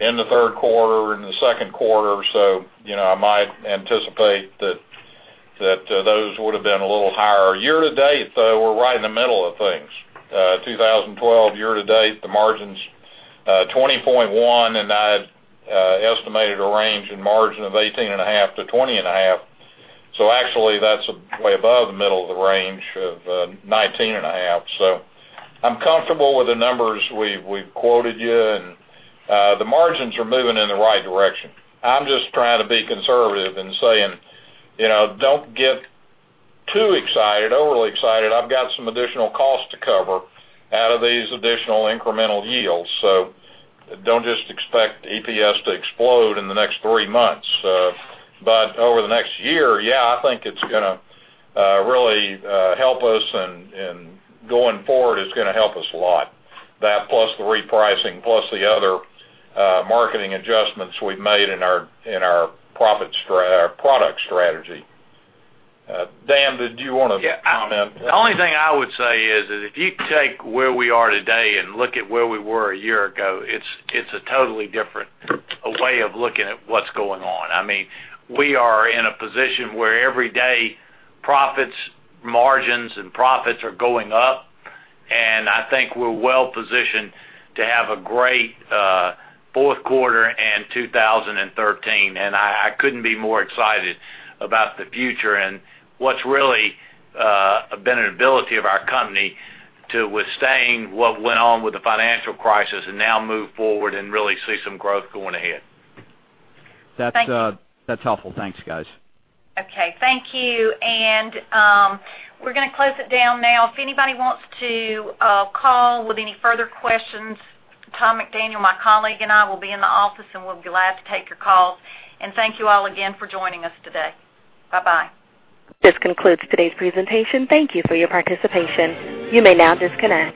in the third quarter, in the second quarter. I might anticipate that those would've been a little higher. Year-to-date, though, we're right in the middle of things. 2012 year-to-date, the margin's 20.1%, and I had estimated a range in margin of 18.5%-20.5%. Actually, that's way above the middle of the range of 19.5%. I'm comfortable with the numbers we've quoted you, and the margins are moving in the right direction. I'm just trying to be conservative in saying, don't get too excited, overly excited. I've got some additional costs to cover out of these additional incremental yields. Don't just expect EPS to explode in the next three months. Over the next year, yeah, I think it's going to really help us, and going forward, it's going to help us a lot. That plus the repricing, plus the other marketing adjustments we've made in our product strategy. Dan, did you want to comment? Yeah. The only thing I would say is that if you take where we are today and look at where we were a year ago, it's a totally different way of looking at what's going on. We are in a position where every day profits, margins, and profits are going up. I think we're well-positioned to have a great fourth quarter and 2013. I couldn't be more excited about the future and what's really been an ability of our company to withstand what went on with the financial crisis and now move forward and really see some growth going ahead. That's helpful. Thanks, guys. Okay. Thank you. We're going to close it down now. If anybody wants to call with any further questions, Thomas McDaniel, my colleague, and I will be in the office, and we'll be glad to take your calls. Thank you all again for joining us today. Bye-bye. This concludes today's presentation. Thank you for your participation. You may now disconnect.